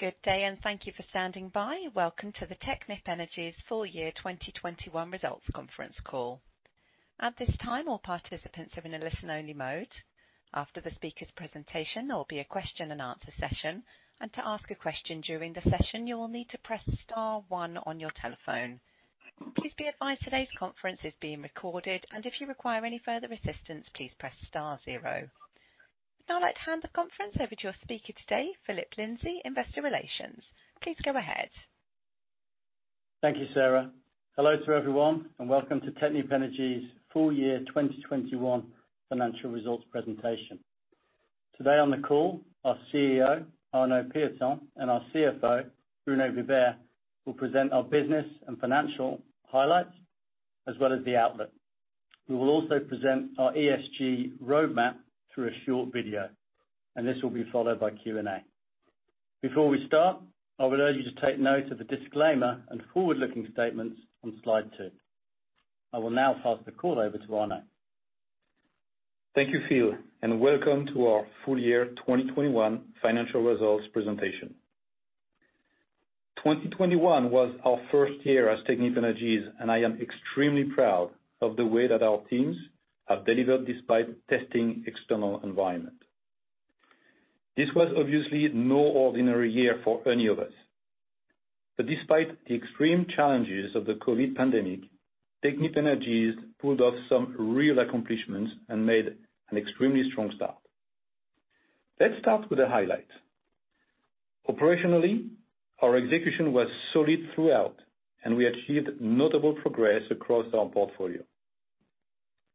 Good day, and thank you for standing by. Welcome to the Technip Energies Full Year 2021 Results Conference Call. At this time, all participants are in a listen-only mode. After the speaker's presentation, there'll be a question and answer session. To ask a question during the session, you will need to press star one on your telephone. Please be advised today's conference is being recorded, and if you require any further assistance, please press star zero. I'd now like to hand the conference over to your speaker today, Phillip Lindsay, Investor Relations. Please go ahead. Thank you, Sarah. Hello to everyone, and welcome to Technip Energies Full Year 2021 Financial Results Presentation. Today on the call, our CEO, Arnaud Pieton, and our CFO, Bruno Vibert, will present our business and financial highlights as well as the outlook. We will also present our ESG roadmap through a short video, and this will be followed by Q&A. Before we start, I would urge you to take note of the disclaimer and forward-looking statements on slide two. I will now pass the call over to Arnaud. Thank you, Philip, and welcome to our full year 2021 financial results presentation. 2021 was our first year as Technip Energies, and I am extremely proud of the way that our teams have delivered despite testing external environment. This was obviously no ordinary year for any of us. Despite the extreme challenges of the COVID pandemic, Technip Energies pulled off some real accomplishments and made an extremely strong start. Let's start with the highlights. Operationally, our execution was solid throughout, and we achieved notable progress across our portfolio.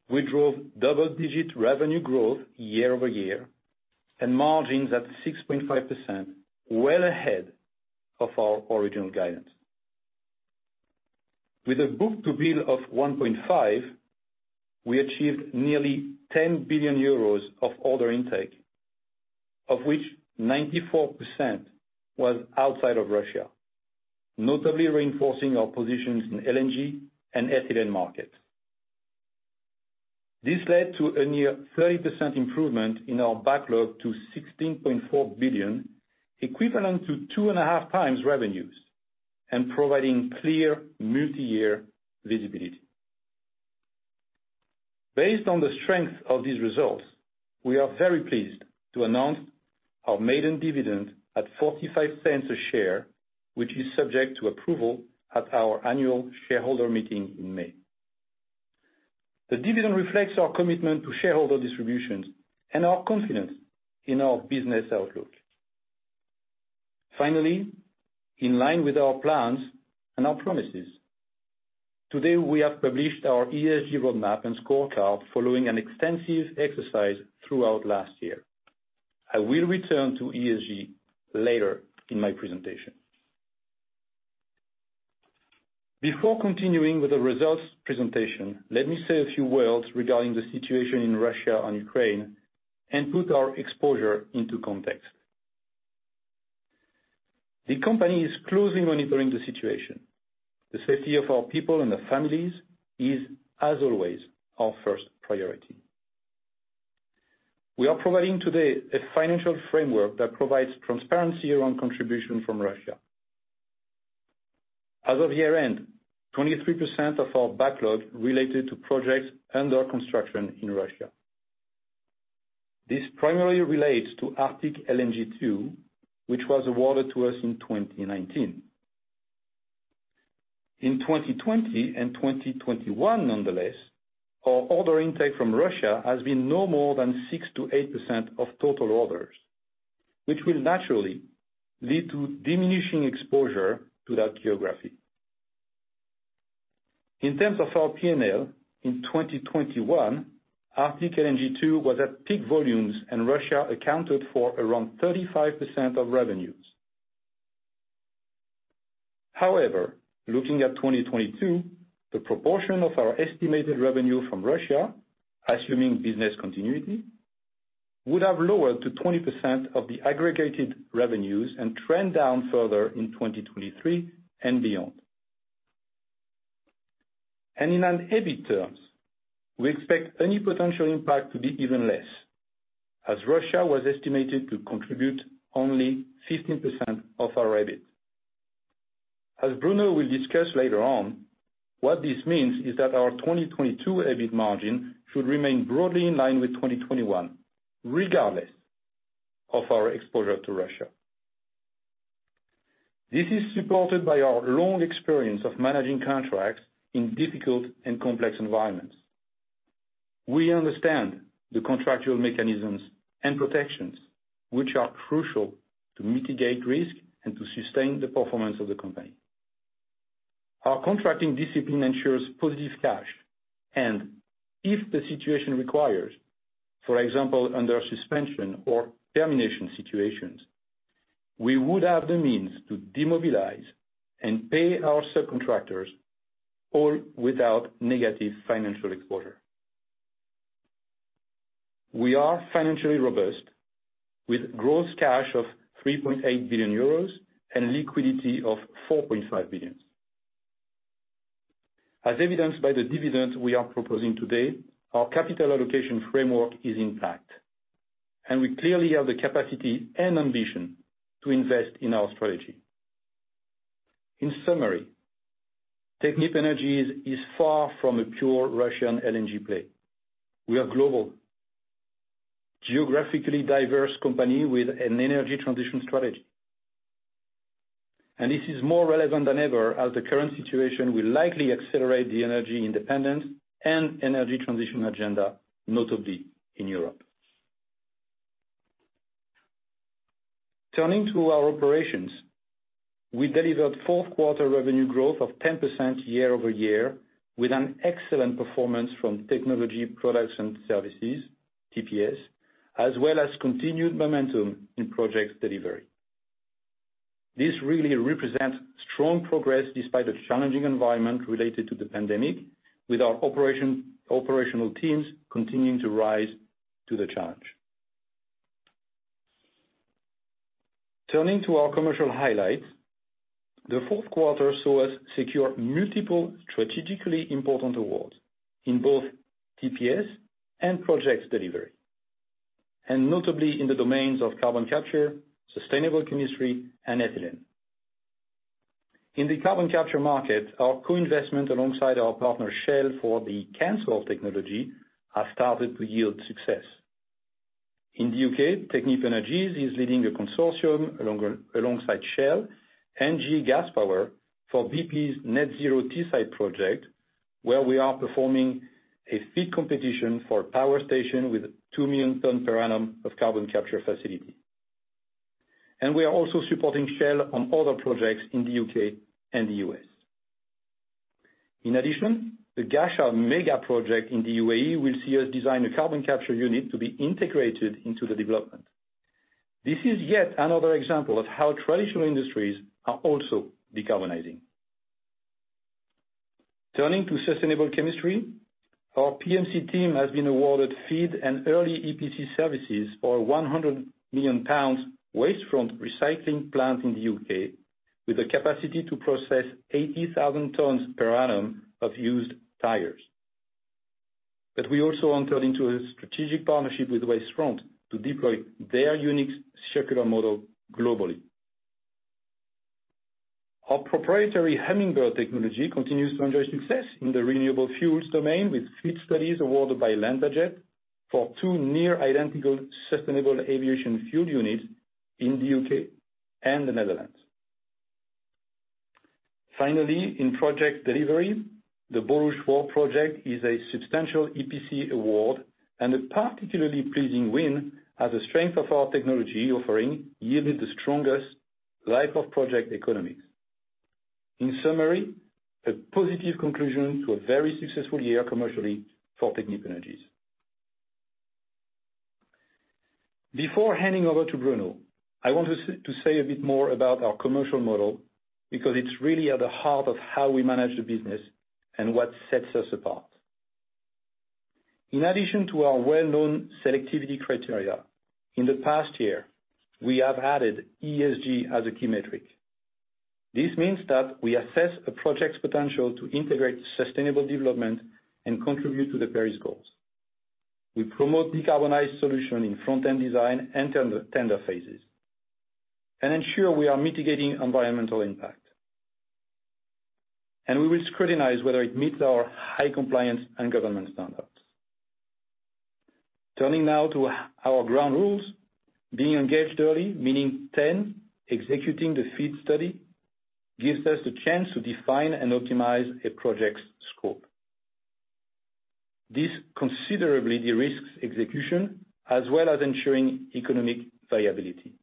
We drove double-digit revenue growth year-over-year and margins at 6.5%, well ahead of our original guidance. With a book-to-bill of 1.5, we achieved nearly 10 billion euros of order intake, of which 94% was outside of Russia, notably reinforcing our positions in LNG and ethylene markets. This led to a near 30% improvement in our backlog to 16.4 billion, equivalent to 2.5 times revenues and providing clear multi-year visibility. Based on the strength of these results, we are very pleased to announce our maiden dividend at 0.45 a share, which is subject to approval at our annual shareholder meeting in May. The dividend reflects our commitment to shareholder distributions and our confidence in our business outlook. Finally, in line with our plans and our promises, today we have published our ESG roadmap and scorecard following an extensive exercise throughout last year. I will return to ESG later in my presentation. Before continuing with the results presentation, let me say a few words regarding the situation in Russia and Ukraine and put our exposure into context. The company is closely monitoring the situation. The safety of our people and their families is, as always, our first priority. We are providing today a financial framework that provides transparency around contribution from Russia. As of year-end, 23% of our backlog related to projects under construction in Russia. This primarily relates to Arctic LNG 2, which was awarded to us in 2019. In 2020 and 2021, nonetheless, our order intake from Russia has been no more than 6%-8% of total orders, which will naturally lead to diminishing exposure to that geography. In terms of our P&L in 2021, Arctic LNG 2 was at peak volumes, and Russia accounted for around 35% of revenues. However, looking at 2022, the proportion of our estimated revenue from Russia, assuming business continuity, would have lowered to 20% of the aggregated revenues and trend down further in 2023 and beyond. In an EBIT terms, we expect any potential impact to be even less, as Russia was estimated to contribute only 15% of our EBIT. As Bruno will discuss later on, what this means is that our 2022 EBIT margin should remain broadly in line with 2021, regardless of our exposure to Russia. This is supported by our long experience of managing contracts in difficult and complex environments. We understand the contractual mechanisms and protections which are crucial to mitigate risk and to sustain the performance of the company. Our contracting discipline ensures positive cash and if the situation requires, for example, under suspension or termination situations, we would have the means to demobilize and pay our subcontractors all without negative financial exposure. We are financially robust with gross cash of 3.8 billion euros and liquidity of 4.5 billion. As evidenced by the dividends we are proposing today, our capital allocation framework is intact, and we clearly have the capacity and ambition to invest in our strategy. In summary, Technip Energies is far from a pure Russian LNG play. We are global, geographically diverse company with an energy transition strategy. This is more relevant than ever, as the current situation will likely accelerate the energy independence and energy transition agenda, notably in Europe. Turning to our operations. We delivered fourth quarter revenue growth of 10% year-over-year, with an excellent performance from Technology, Products and Services, TPS, as well as continued momentum in projects delivery. This really represents strong progress despite the challenging environment related to the pandemic, with our operational teams continuing to rise to the challenge. Turning to our commercial highlights. The fourth quarter saw us secure multiple strategically important awards in both TPS and projects delivery, and notably in the domains of carbon capture, sustainable chemistry, and ethylene. In the carbon capture market, our co-investment alongside our partner Shell for the CANSOLV technology have started to yield success. In the U.K., Technip Energies is leading a consortium alongside Shell and GE Gas Power for BP's Net Zero Teesside project, where we are performing a FEED competition for a power station with 2 million ton per annum of carbon capture facility. We are also supporting Shell on other projects in the U.K. and the U.S. In addition, the Ghasha mega project in the UAE will see us design a carbon capture unit to be integrated into the development. This is yet another example of how traditional industries are also decarbonizing. Turning to sustainable chemistry. Our PMC team has been awarded FEED and early EPC services for GBP 100 million Wastefront recycling plant in the U.K., with a capacity to process 80,000 tons per annum of used tires. We also entered into a strategic partnership with Wastefront to deploy their unique circular model globally. Our proprietary Hummingbird technology continues to enjoy success in the renewable fuels domain, with FEED studies awarded by LanzaJet for two near identical sustainable aviation fuel units in the U.K. and the Netherlands. Finally, in project delivery, the Borouge 4 project is a substantial EPC award and a particularly pleasing win, as the strength of our technology offering yielded the strongest life of project economics. In summary, a positive conclusion to a very successful year commercially for Technip Energies. Before handing over to Bruno, I want to say a bit more about our commercial model because it's really at the heart of how we manage the business and what sets us apart. In addition to our well-known selectivity criteria, in the past year, we have added ESG as a key metric. This means that we assess a project's potential to integrate sustainable development and contribute to the Paris goals. We promote decarbonized solution in front-end design and tender phases, and ensure we are mitigating environmental impact. We will scrutinize whether it meets our high compliance and government standards. Turning now to our ground rules. Being engaged early, meaning FEED, executing the FEED study, gives us the chance to define and optimize a project's scope. This considerably de-risks execution as well as ensuring economic viability.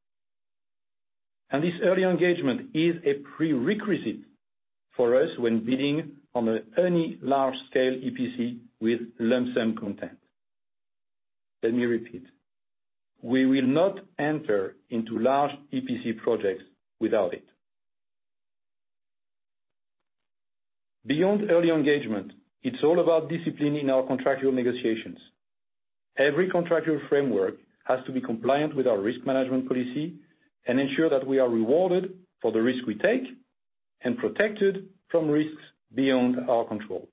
This early engagement is a prerequisite for us when bidding on any large scale EPC with lump sum content. Let me repeat. We will not enter into large EPC projects without it. Beyond early engagement, it's all about discipline in our contractual negotiations. Every contractual framework has to be compliant with our risk management policy and ensure that we are rewarded for the risk we take and protected from risks beyond our control.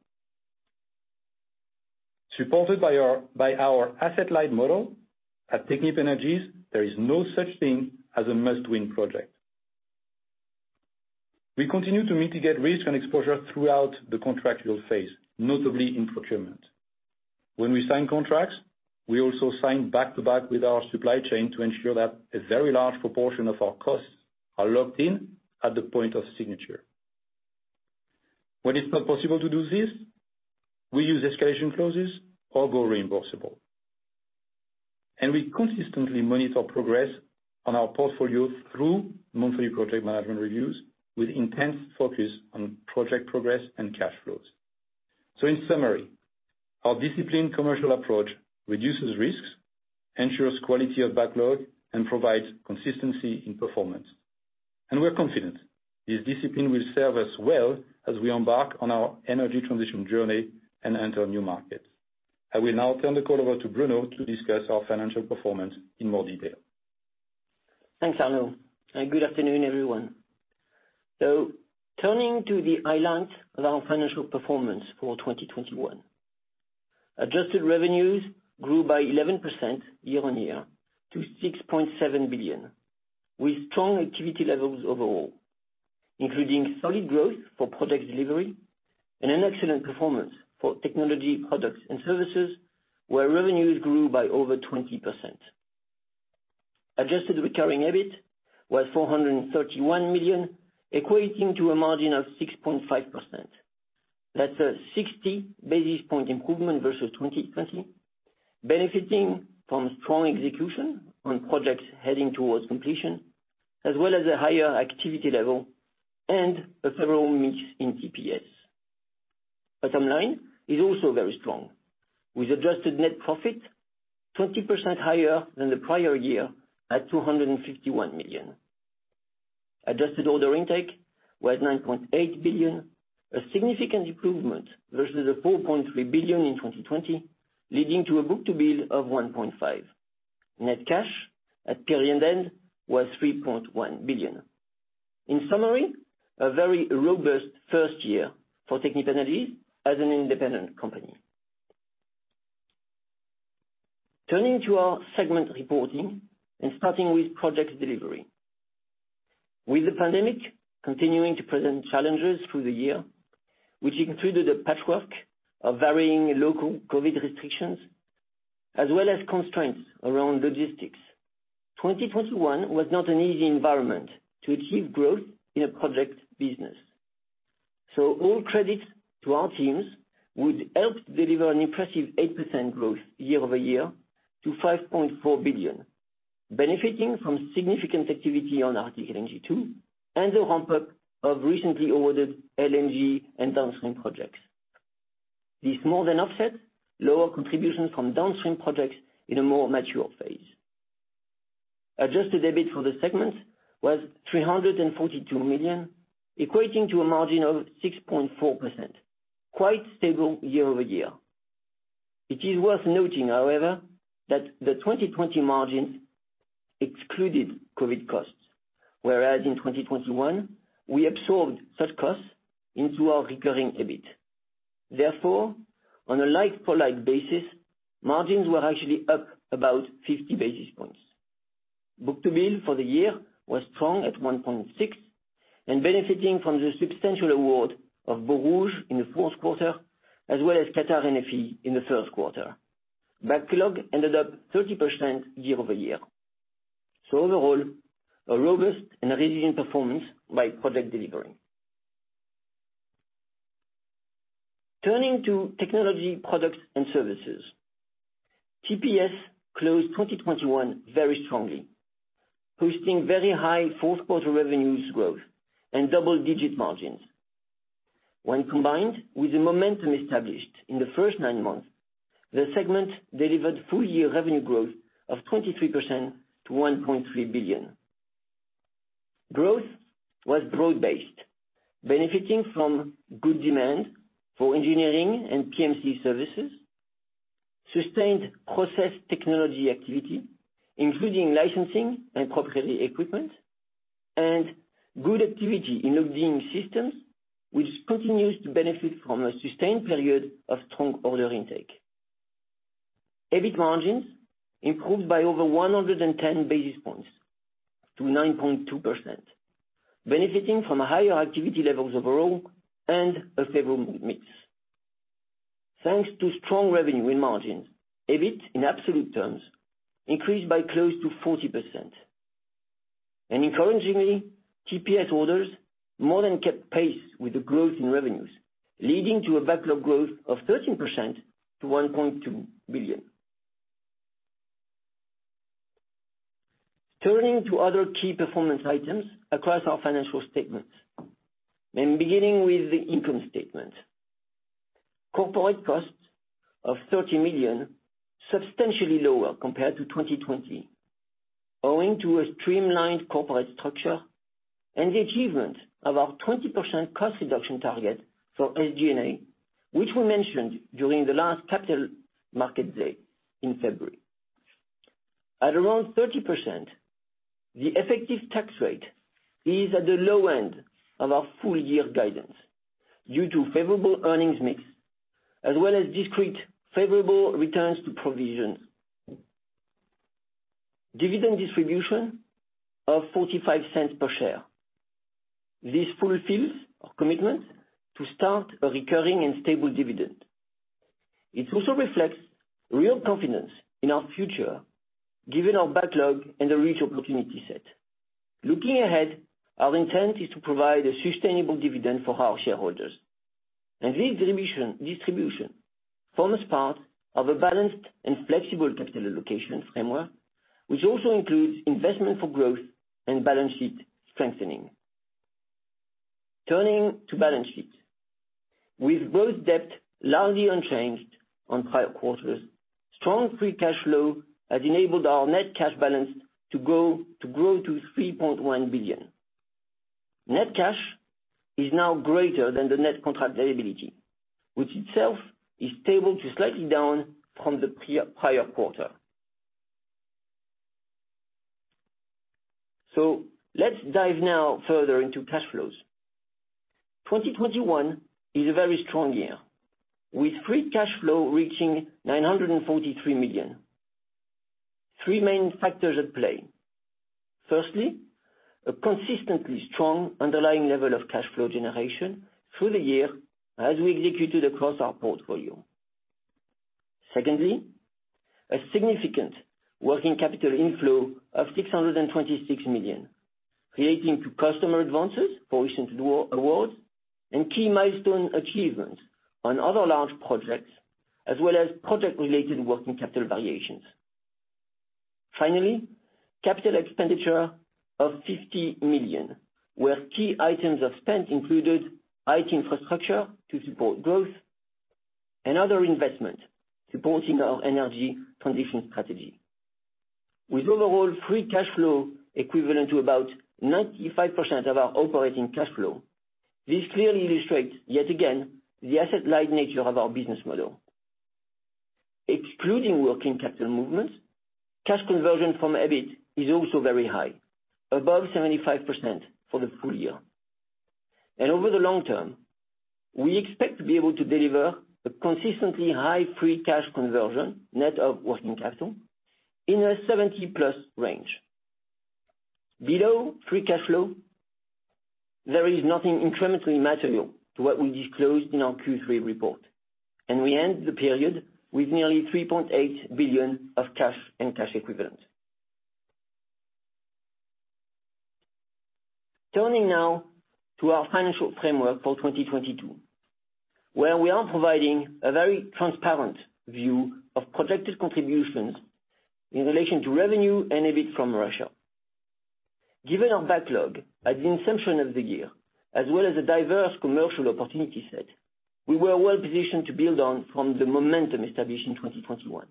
Supported by our asset-light model, at Technip Energies, there is no such thing as a must-win project. We continue to mitigate risk and exposure throughout the contractual phase, notably in procurement. When we sign contracts, we also sign back to back with our supply chain to ensure that a very large proportion of our costs are locked in at the point of signature. When it's not possible to do this, we use escalation clauses or go reimbursable. We consistently monitor progress on our portfolios through monthly project management reviews with intense focus on project progress and cash flows. In summary, our disciplined commercial approach reduces risks, ensures quality of backlog, and provides consistency in performance. We're confident this discipline will serve us well as we embark on our energy transition journey and enter new markets. I will now turn the call over to Bruno to discuss our financial performance in more detail. Thanks, Arnaud, and good afternoon, everyone. Turning to the highlights of our financial performance for 2021. Adjusted revenues grew by 11% year-on-year to 6.7 billion, with strong activity levels overall, including solid growth for Project Delivery and an excellent performance for Technology, Products and Services, where revenues grew by over 20%. Adjusted recurring EBIT was 431 million, equating to a margin of 6.5%. That's a 60 basis point improvement versus 2020, benefiting from strong execution on projects heading towards completion, as well as a higher activity level and a favorable mix in TPS. Bottom line is also very strong, with adjusted net profit 20% higher than the prior year at 251 million. Adjusted order intake was 9.8 billion, a significant improvement versus the 4.3 billion in 2020, leading to a book-to-bill of 1.5. Net cash at period end was 3.1 billion. In summary, a very robust first year for Technip Energies as an independent company. Turning to our segment reporting and starting with project delivery. With the pandemic continuing to present challenges through the year, which included a patchwork of varying local COVID restrictions as well as constraints around logistics, 2021 was not an easy environment to achieve growth in a project business. All credits to our teams, which helped deliver an impressive 8% growth year-over-year to 5.4 billion, benefiting from significant activity on Arctic LNG 2 and the ramp-up of recently awarded LNG and downstream projects. This more than offsets lower contributions from downstream projects in a more mature phase. Adjusted EBIT for the segment was 342 million, equating to a margin of 6.4%, quite stable year-over-year. It is worth noting, however, that the 2020 margins excluded COVID costs, whereas in 2021, we absorbed such costs into our recurring EBIT. Therefore, on a like-for-like basis, margins were actually up about 50 basis points. Book-to-bill for the year was strong at 1.6 and benefiting from the substantial award of Borouge in the fourth quarter, as well as Qatar NFE in the first quarter. Backlog ended up 30% year-over-year. Overall, a robust and resilient performance by project delivery. Turning to Technology, Products and Services. TPS closed 2021 very strongly, posting very high fourth quarter revenue growth and double-digit margins. When combined with the momentum established in the first nine months, the segment delivered full-year revenue growth of 23% to 1.3 billion. Growth was broad-based, benefiting from good demand for engineering and PMC services, sustained process technology activity, including licensing and proprietary equipment, and good activity in Loading Systems, which continues to benefit from a sustained period of strong order intake. EBIT margins improved by over 110 basis points to 9.2%, benefiting from higher activity levels overall and a favorable mix. Thanks to strong revenue and margins, EBIT in absolute terms increased by close to 40%. Encouragingly, TPS orders more than kept pace with the growth in revenues, leading to a backlog growth of 13% to 1.2 billion. Turning to other key performance items across our financial statements, and beginning with the income statement. Corporate costs of 30 million, substantially lower compared to 2020, owing to a streamlined corporate structure and the achievement of our 20% cost reduction target for SG&A, which we mentioned during the last capital market day in February. At around 30%, the effective tax rate is at the low end of our full year guidance due to favorable earnings mix as well as discrete favorable returns to provisions. Dividend distribution of 0.45 per share. This fulfills our commitment to start a recurring and stable dividend. It also reflects real confidence in our future given our backlog and the rich opportunity set. Looking ahead, our intent is to provide a sustainable dividend for our shareholders. This distribution forms part of a balanced and flexible capital allocation framework, which also includes investment for growth and balance sheet strengthening. Turning to balance sheet. With gross debt largely unchanged on prior quarter, strong free cash flow has enabled our net cash balance to grow to 3.1 billion. Net cash is now greater than the net contract liabilities, which itself is stable to slightly down from the previous quarter. Let's dive now further into cash flows. 2021 is a very strong year, with free cash flow reaching 943 million. Three main factors at play. Firstly, a consistently strong underlying level of cash flow generation through the year as we executed across our portfolio. Secondly, a significant working capital inflow of 626 million relating to customer advances for recent awards and key milestone achievements on other large projects, as well as project related working capital variations. Finally, capital expenditure of 50 million, where key items of spend included IT infrastructure to support growth and other investments supporting our energy transition strategy. With overall free cash flow equivalent to about 95% of our operating cash flow, this clearly illustrates, yet again, the asset light nature of our business model. Excluding working capital movements, cash conversion from EBIT is also very high, above 75% for the full year. Over the long term, we expect to be able to deliver a consistently high free cash conversion net of working capital in a 70+% range. Below free cash flow, there is nothing incrementally material to what we disclosed in our Q3 report, and we end the period with nearly 3.8 billion of cash and cash equivalents. Turning now to our financial framework for 2022, where we are providing a very transparent view of projected contributions in relation to revenue and EBIT from Russia. Given our backlog at the inception of the year, as well as a diverse commercial opportunity set, we were well positioned to build on from the momentum established in 2021.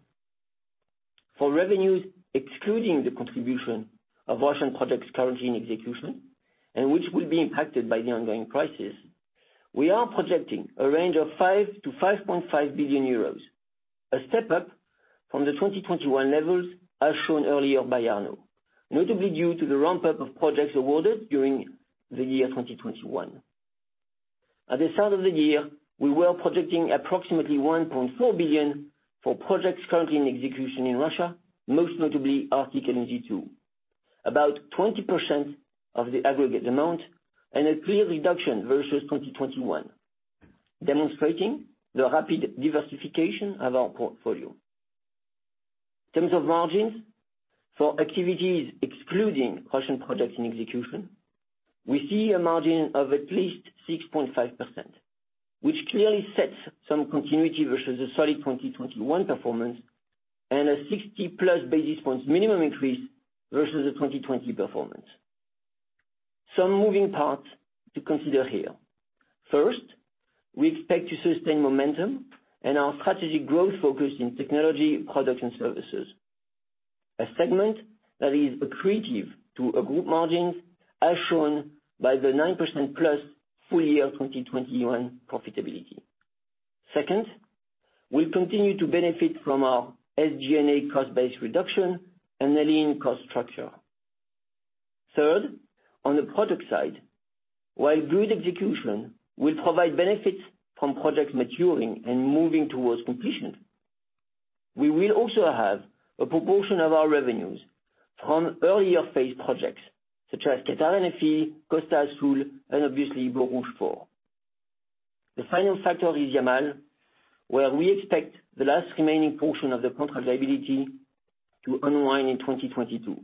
For revenues, excluding the contribution of Russian projects currently in execution and which will be impacted by the ongoing crisis, we are projecting a range of 5 billion-5.5 billion euros, a step up from the 2021 levels, as shown earlier by Arnaud, notably due to the ramp-up of projects awarded during the year 2021. At the start of the year, we were projecting approximately 1.4 billion for projects currently in execution in Russia, most notably Arctic LNG 2. About 20% of the aggregate amount and a clear reduction versus 2021, demonstrating the rapid diversification of our portfolio. In terms of margins for activities excluding Russian projects in execution, we see a margin of at least 6.5%, which clearly sets some continuity versus a solid 2021 performance and a 60+ basis points minimum increase versus the 2020 performance. Some moving parts to consider here. First, we expect to sustain momentum and our strategic growth focus in Technology, Products and Services, a segment that is accretive to a group margins as shown by the 9%+ full year 2021 profitability. Second, we continue to benefit from our SG&A cost base reduction and lean cost structure. Third, on the product side, while good execution will provide benefits from projects maturing and moving towards completion, we will also have a proportion of our revenues from earlier phase projects such as Qatar NFE, Coral Sul, and obviously Borouge 4. The final factor is Yamal, where we expect the last remaining portion of the contract liability to unwind in 2022.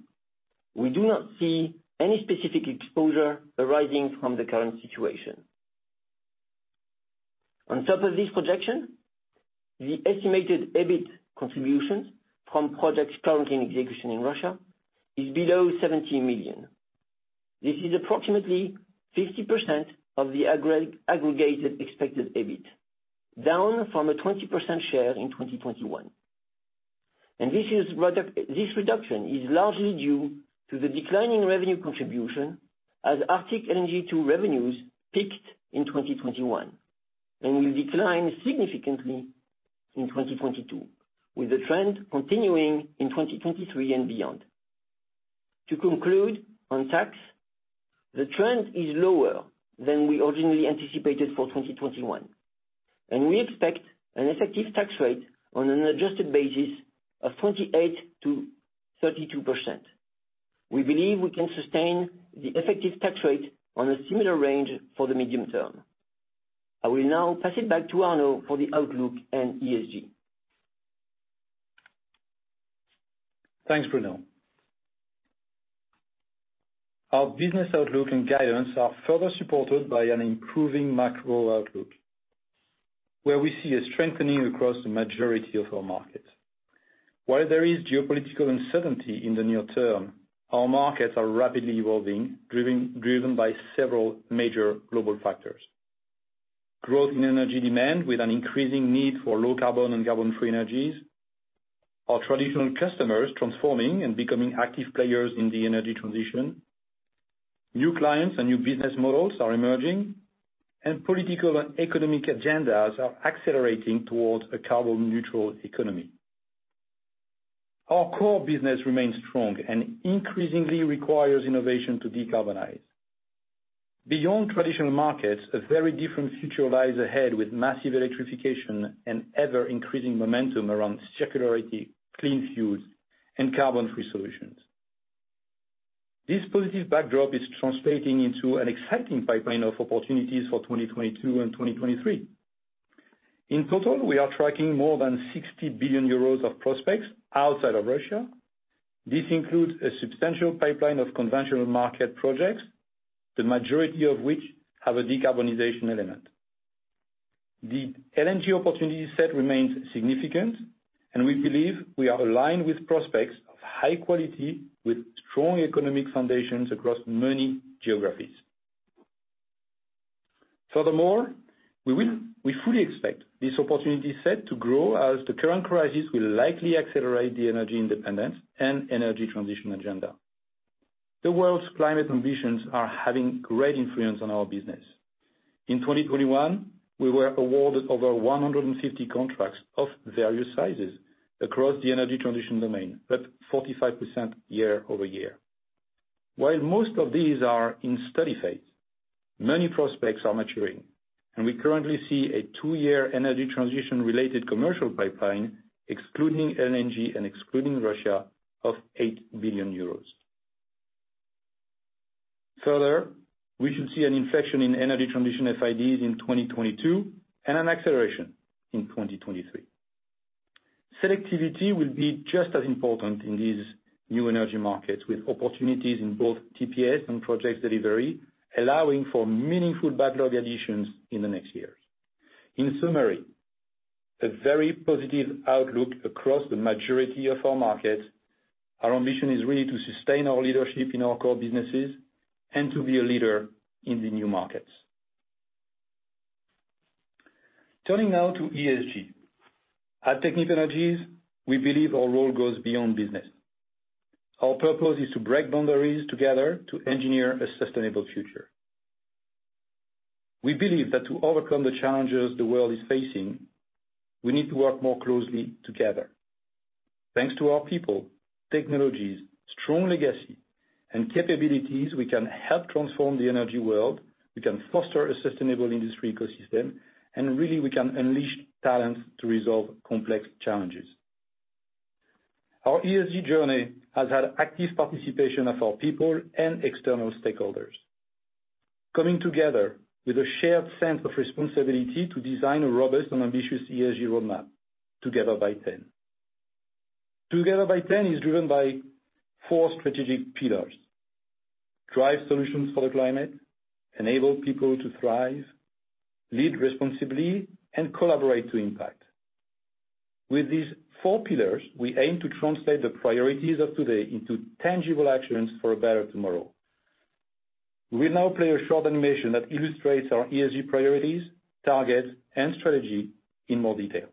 We do not see any specific exposure arising from the current situation. On top of this projection, the estimated EBIT contributions from projects currently in execution in Russia is below 70 million. This is approximately 50% of the aggregated expected EBIT, down from a 20% share in 2021. This reduction is largely due to the declining revenue contribution as Arctic LNG 2 revenues peaked in 2021 and will decline significantly in 2022, with the trend continuing in 2023 and beyond. To conclude on tax, the trend is lower than we originally anticipated for 2021, and we expect an effective tax rate on an adjusted basis of 28%-32%. We believe we can sustain the effective tax rate on a similar range for the medium term. I will now pass it back to Arnaud for the outlook and ESG. Thanks, Bruno. Our business outlook and guidance are further supported by an improving macro outlook, where we see a strengthening across the majority of our markets. While there is geopolitical uncertainty in the near term, our markets are rapidly evolving, driven by several major global factors. Growth in energy demand with an increasing need for low carbon and carbon-free energies. Our traditional customers transforming and becoming active players in the energy transition. New clients and new business models are emerging, and political and economic agendas are accelerating towards a carbon neutral economy. Our core business remains strong and increasingly requires innovation to decarbonize. Beyond traditional markets, a very different future lies ahead with massive electrification and ever-increasing momentum around circularity, clean fuels, and carbon-free solutions. This positive backdrop is translating into an exciting pipeline of opportunities for 2022 and 2023. In total, we are tracking more than 60 billion euros of prospects outside of Russia. This includes a substantial pipeline of conventional market projects, the majority of which have a decarbonization element. The LNG opportunity set remains significant, and we believe we are aligned with prospects of high quality with strong economic foundations across many geographies. Furthermore, we fully expect this opportunity set to grow as the current crisis will likely accelerate the energy independence and energy transition agenda. The world's climate ambitions are having great influence on our business. In 2021, we were awarded over 150 contracts of various sizes across the energy transition domain, up 45% year-over-year. While most of these are in study phase, many prospects are maturing, and we currently see a two-year energy transition related commercial pipeline, excluding LNG and excluding Russia, of 8 billion euros. Further, we should see an inflection in energy transition FIDs in 2022 and an acceleration in 2023. Selectivity will be just as important in these new energy markets with opportunities in both TPS and project delivery, allowing for meaningful backlog additions in the next years. In summary, a very positive outlook across the majority of our markets. Our ambition is really to sustain our leadership in our core businesses and to be a leader in the new markets. Turning now to ESG. At Technip Energies, we believe our role goes beyond business. Our purpose is to break boundaries together to engineer a sustainable future. We believe that to overcome the challenges the world is facing, we need to work more closely together. Thanks to our people, technologies, strong legacy, and capabilities, we can help transform the energy world. We can foster a sustainable industry ecosystem. Really, we can unleash talent to resolve complex challenges. Our ESG journey has had active participation of our people and external stakeholders. Coming together with a shared sense of responsibility to design a robust and ambitious ESG roadmap, Together by T.EN. Together by T.EN is driven by four strategic pillars, drive solutions for the climate, enable people to thrive, lead responsibly, and collaborate to impact. With these four pillars, we aim to translate the priorities of today into tangible actions for a better tomorrow. We will now play a short animation that illustrates our ESG priorities, targets, and strategy in more detail.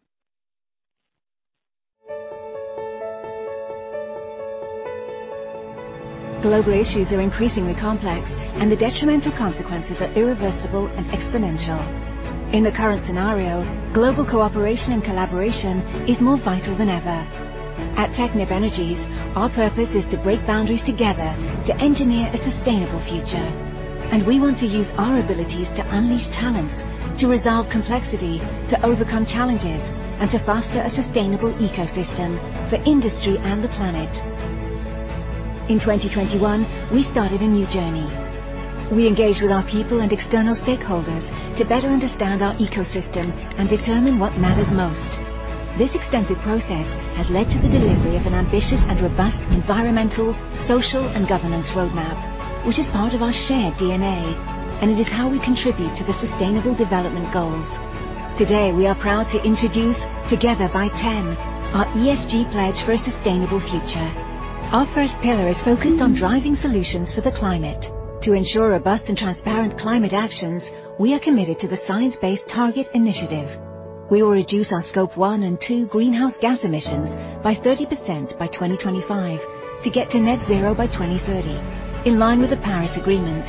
Global issues are increasingly complex, and the detrimental consequences are irreversible and exponential. In the current scenario, global cooperation and collaboration is more vital than ever. At Technip Energies, our purpose is to break boundaries together to engineer a sustainable future. We want to use our abilities to unleash talent, to resolve complexity, to overcome challenges, and to foster a sustainable ecosystem for industry and the planet. In 2021, we started a new journey. We engaged with our people and external stakeholders to better understand our ecosystem and determine what matters most. This extensive process has led to the delivery of an ambitious and robust environmental, social, and governance roadmap, which is part of our shared DNA, and it is how we contribute to the Sustainable Development Goals. Today, we are proud to introduce Together by T.EN, our ESG pledge for a sustainable future. Our first pillar is focused on driving solutions for the climate. To ensure robust and transparent climate actions, we are committed to the Science Based Targets initiative. We will reduce our Scope 1 and 2 greenhouse gas emissions by 30% by 2025 to get to net zero by 2030, in line with the Paris Agreement.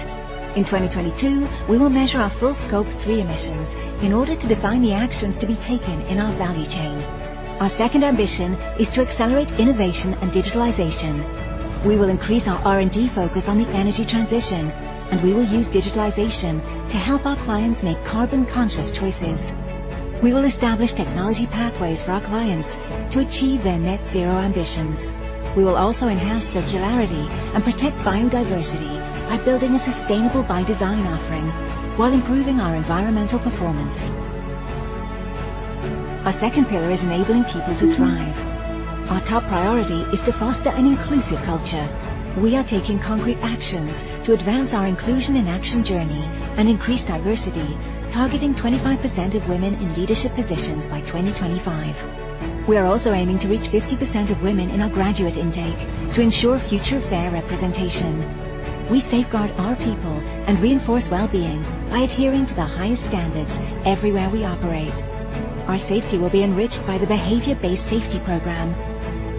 In 2022, we will measure our full Scope 3 emissions in order to define the actions to be taken in our value chain. Our second ambition is to accelerate innovation and digitalization. We will increase our R&D focus on the energy transition, and we will use digitalization to help our clients make carbon-conscious choices. We will establish technology pathways for our clients to achieve their net zero ambitions. We will also enhance circularity and protect biodiversity by building a sustainable by design offering while improving our environmental performance. Our second pillar is enabling people to thrive. Our top priority is to foster an inclusive culture. We are taking concrete actions to advance our inclusion and action journey and increase diversity, targeting 25% of women in leadership positions by 2025. We are also aiming to reach 50% of women in our graduate intake to ensure future fair representation. We safeguard our people and reinforce well-being by adhering to the highest standards everywhere we operate. Our safety will be enriched by the behavior-based safety program.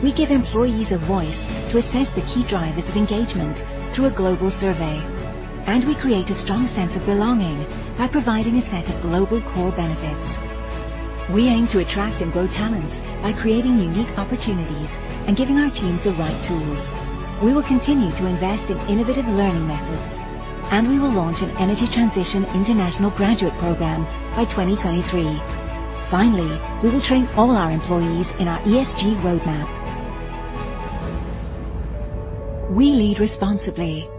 We give employees a voice to assess the key drivers of engagement through a global survey, and we create a strong sense of belonging by providing a set of global core benefits. We aim to attract and grow talents by creating unique opportunities and giving our teams the right tools. We will continue to invest in innovative learning methods, and we will launch an energy transition international graduate program by 2023. Finally, we will train all our employees in our ESG roadmap. We lead responsibly.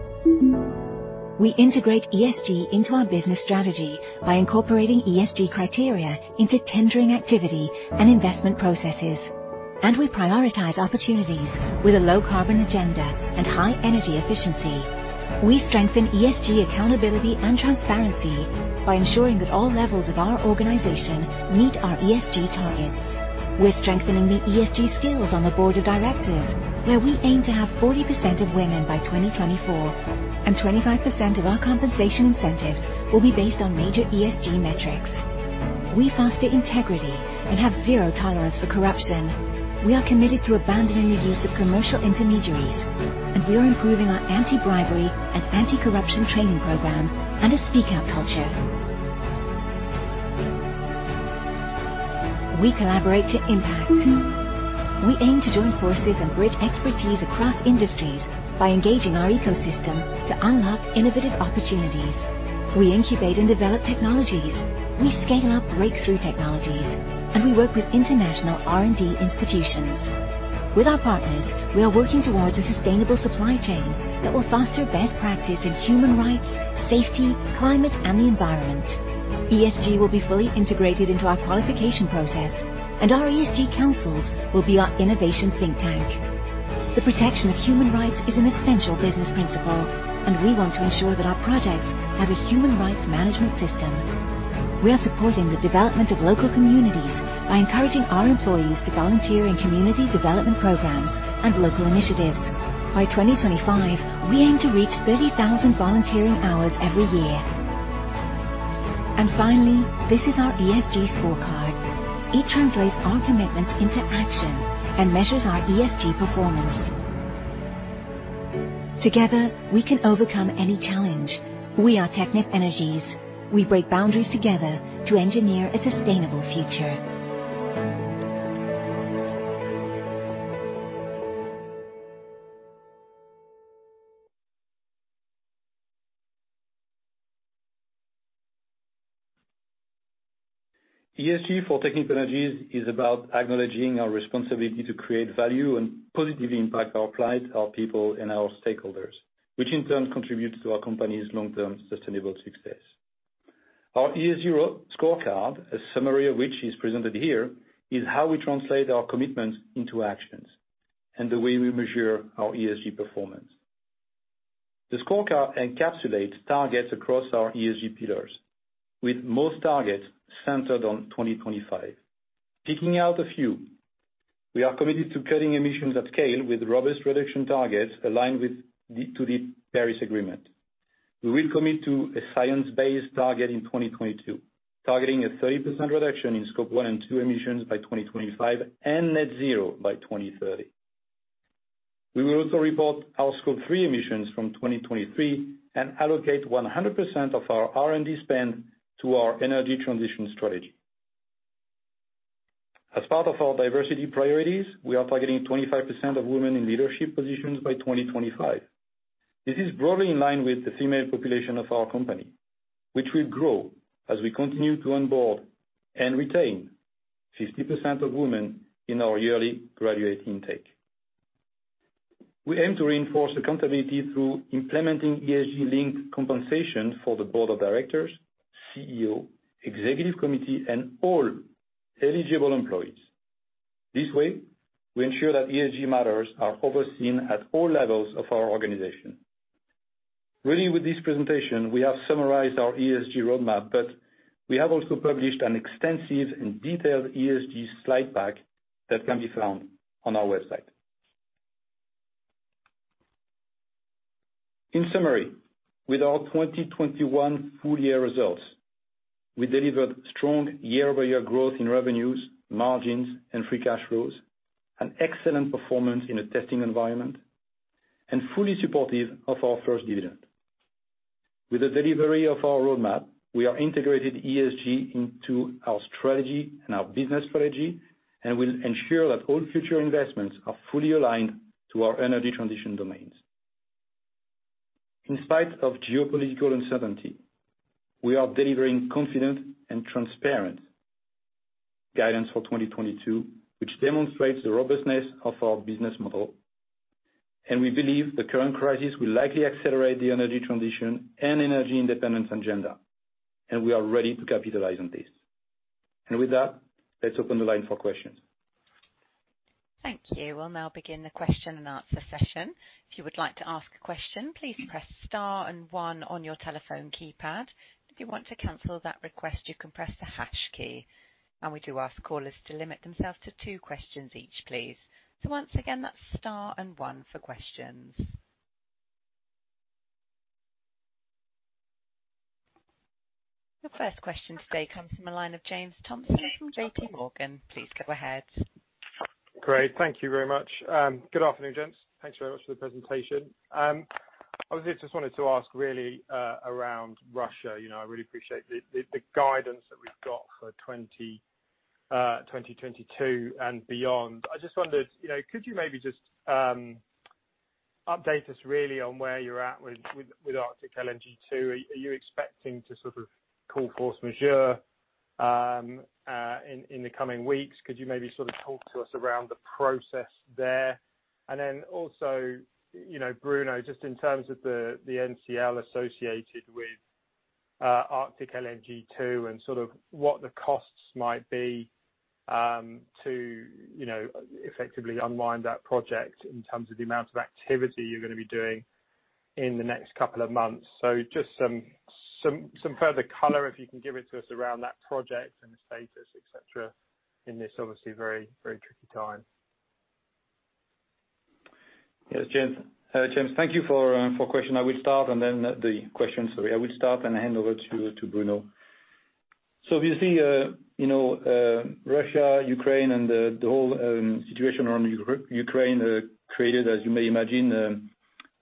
We integrate ESG into our business strategy by incorporating ESG criteria into tendering activity and investment processes. We prioritize opportunities with a low carbon agenda and high energy efficiency. We strengthen ESG accountability and transparency by ensuring that all levels of our organization meet our ESG targets. We're strengthening the ESG skills on the board of directors, where we aim to have 40% of women by 2024, and 25% of our compensation incentives will be based on major ESG metrics. We foster integrity and have zero tolerance for corruption. We are committed to abandoning the use of commercial intermediaries, and we are improving our anti-bribery and anti-corruption training program and a speak out culture. We collaborate to impact. We aim to join forces and bridge expertise across industries by engaging our ecosystem to unlock innovative opportunities. We incubate and develop technologies, we scale up breakthrough technologies, and we work with international R&D institutions. With our partners, we are working towards a sustainable supply chain that will foster best practice in human rights, safety, climate, and the environment. ESG will be fully integrated into our qualification process, and our ESG councils will be our innovation think tank. The protection of human rights is an essential business principle, and we want to ensure that our projects have a human rights management system. We are supporting the development of local communities by encouraging our employees to volunteer in community development programs and local initiatives. By 2025, we aim to reach 30,000 volunteering hours every year. Finally, this is our ESG scorecard. It translates our commitments into action and measures our ESG performance. Together, we can overcome any challenge. We are Technip Energies. We break boundaries together to engineer a sustainable future. ESG for Technip Energies is about acknowledging our responsibility to create value and positively impact our clients, our people, and our stakeholders, which in turn contributes to our company's long-term sustainable success. Our ESG scorecard, a summary of which is presented here, is how we translate our commitments into actions and the way we measure our ESG performance. The scorecard encapsulates targets across our ESG pillars, with most targets centered on 2025. Picking out a few, we are committed to cutting emissions at scale with robust reduction targets aligned with deep to the Paris Agreement. We will commit to a Science-Based Target in 2022, targeting a 30% reduction in Scope 1 and 2 emissions by 2025 and net zero by 2030. We will also report our Scope 3 emissions from 2023 and allocate 100% of our R&D spend to our energy transition strategy. As part of our diversity priorities, we are targeting 25% of women in leadership positions by 2025. This is broadly in line with the female population of our company, which will grow as we continue to onboard and retain 50% of women in our yearly graduate intake. We aim to reinforce accountability through implementing ESG-linked compensation for the board of directors, CEO, executive committee, and all eligible employees. This way, we ensure that ESG matters are overseen at all levels of our organization. Really, with this presentation, we have summarized our ESG roadmap, but we have also published an extensive and detailed ESG slide pack that can be found on our website. In summary, with our 2021 full year results, we delivered strong year-over-year growth in revenues, margins, and free cash flows, an excellent performance in a testing environment, and fully supportive of our first dividend. With the delivery of our roadmap, we have integrated ESG into our strategy and our business strategy and will ensure that all future investments are fully aligned to our energy transition domains. In spite of geopolitical uncertainty, we are delivering confident and transparent guidance for 2022, which demonstrates the robustness of our business model. We believe the current crisis will likely accelerate the energy transition and energy independence agenda, and we are ready to capitalize on this. With that, let's open the line for questions. Thank you. We'll now begin the question and answer session. If you would like to ask a question, please press star and one on your telephone keypad. If you want to cancel that request, you can press the hash key. We do ask callers to limit themselves to two questions each, please. Once again, that's star and one for questions. First question today comes from the line of James Thompson from JP Morgan. Please go ahead. Great. Thank you very much. Good afternoon, gents. Thanks very much for the presentation. Obviously, I just wanted to ask really around Russia, you know, I really appreciate the guidance that we've got for 2022 and beyond. I just wondered, you know, could you maybe just update us really on where you're at with Arctic LNG 2? Are you expecting to sort of call force majeure in the coming weeks? Could you maybe sort of talk to us around the process there? Then also, you know, Bruno, just in terms of the NCL associated with Arctic LNG 2 and sort of what the costs might be to you know, effectively unwind that project in terms of the amount of activity you're gonna be doing in the next couple of months. Just some further color, if you can give it to us around that project and the status, et cetera, in this obviously very, very tricky time. Yes, James. James, thank you for question. I will start and hand over to Bruno. Obviously, you know, Russia, Ukraine, and the whole situation around Ukraine created, as you may imagine,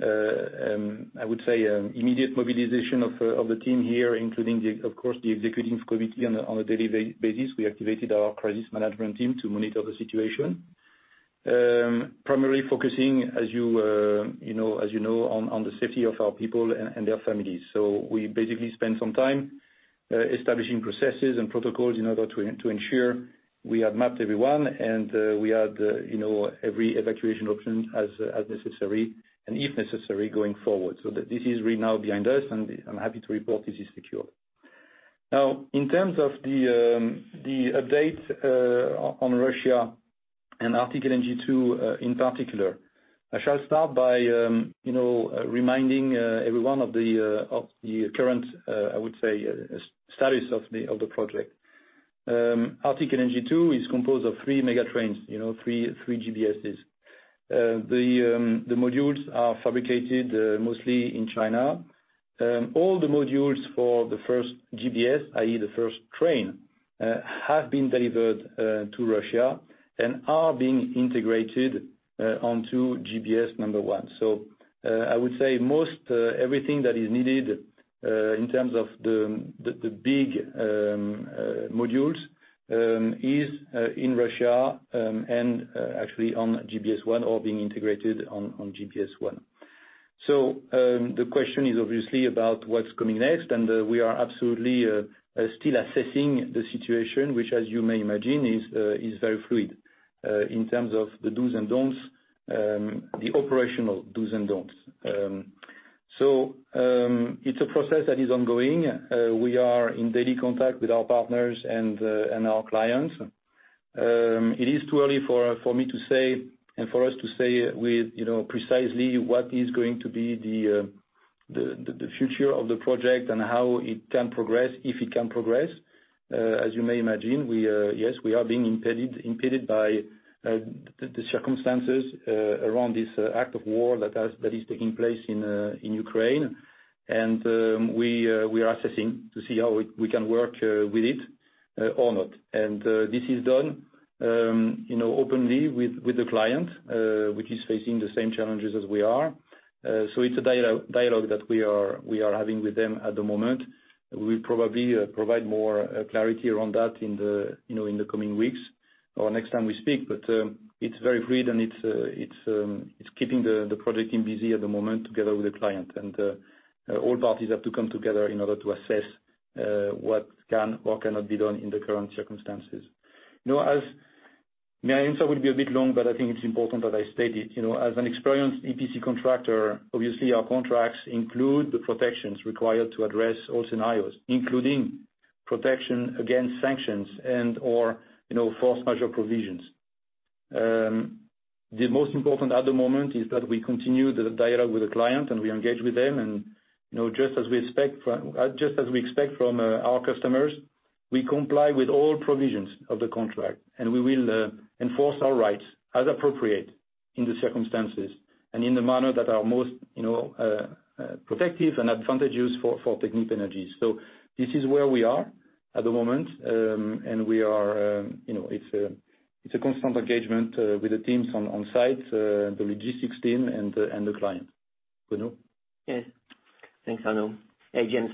I would say, immediate mobilization of the team here, including of course the executive committee on a daily basis. We activated our crisis management team to monitor the situation. Primarily focusing as you know on the safety of our people and their families. We basically spent some time establishing processes and protocols in order to ensure we have mapped everyone and we had every evacuation option as necessary, and if necessary going forward. This is really now behind us, and I'm happy to report this is secure. Now, in terms of the update on Russia and Arctic LNG 2, in particular, I shall start by, you know, reminding everyone of the current, I would say, status of the project. Arctic LNG 2 is composed of three mega trains, you know, three GBSs. The modules are fabricated mostly in China. All the modules for the first GBS, i.e. the first train, have been delivered to Russia and are being integrated onto GBS1. I would say most everything that is needed in terms of the big modules is in Russia and actually on GBS1 or being integrated on GBS1. The question is obviously about what's coming next, and we are absolutely still assessing the situation, which as you may imagine is very fluid in terms of the dos and don'ts, the operational dos and don'ts. It's a process that is ongoing. We are in daily contact with our partners and our clients. It is too early for me to say and for us to say with, you know, precisely what is going to be the future of the project and how it can progress, if it can progress. As you may imagine, we are being impeded by the circumstances around this act of war that is taking place in Ukraine. We are assessing to see how we can work with it or not. This is done you know openly with the client which is facing the same challenges as we are. It's a dialogue that we are having with them at the moment. We'll probably provide more clarity around that in you know the coming weeks or next time we speak. It's very fluid and it's keeping the project team busy at the moment together with the client. All parties have to come together in order to assess what can, what cannot be done in the current circumstances. You know, my answer will be a bit long, but I think it's important that I state it. You know, as an experienced EPC contractor, obviously, our contracts include the protections required to address all scenarios, including protection against sanctions and/or, you know, force majeure provisions. The most important at the moment is that we continue the dialogue with the client and we engage with them. You know, just as we expect from our customers, we comply with all provisions of the contract, and we will enforce our rights as appropriate in the circumstances and in the manner that are most, you know, protective and advantageous for Technip Energies. This is where we are at the moment. We are, you know, it's a constant engagement with the teams on site, the logistics team and the client. Bruno? Yes. Thanks, Arnaud. Hey, James.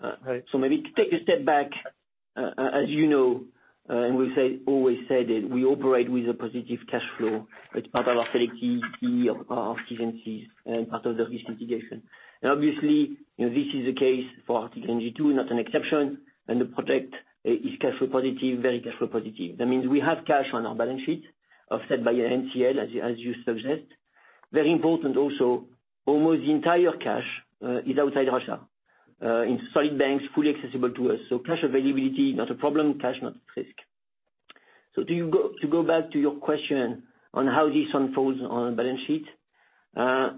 Hi. Maybe take a step back, as you know, and we've said, always said it, we operate with a positive cash flow. It's part of our strategy, our efficiencies, and part of the risk mitigation. Obviously, you know, this is the case for Arctic LNG 2, not an exception. The project is cash flow positive, very cash flow positive. That means we have cash on our balance sheet offset by an NCL, as you suggest. Very important also, almost the entire cash is outside Russia, in solid banks, fully accessible to us. Cash availability, not a problem. Cash not at risk. To go back to your question on how this unfolds on the balance sheet,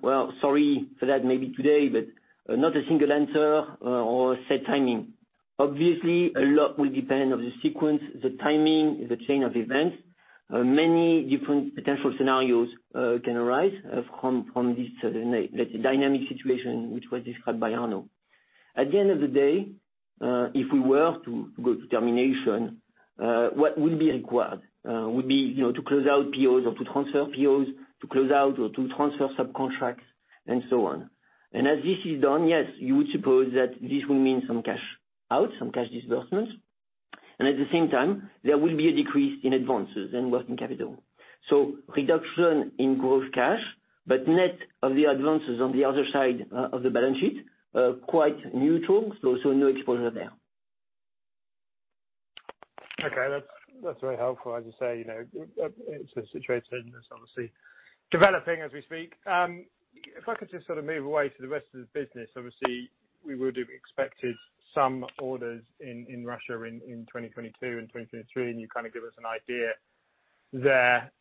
well, sorry for that maybe today, but not a single answer or set timing. Obviously, a lot will depend on the sequence, the timing, the chain of events. Many different potential scenarios can arise from this, let's say dynamic situation which was described by Arnaud. At the end of the day, if we were to go to termination, what will be required would be, you know, to close out POs or to transfer POs, to close out or to transfer subcontracts and so on. As this is done, yes, you would suppose that this will mean some cash out, some cash disbursements, and at the same time there will be a decrease in advances and working capital. Reduction in gross cash, but net of the advances on the other side of the balance sheet are quite neutral, so no exposure there. Okay. That's very helpful. As you say, you know, it's a situation that's obviously developing as we speak. If I could just sort of move away to the rest of the business. Obviously, we would have expected some orders in Russia in 2022 and 2023, and you kind of gave us an idea there.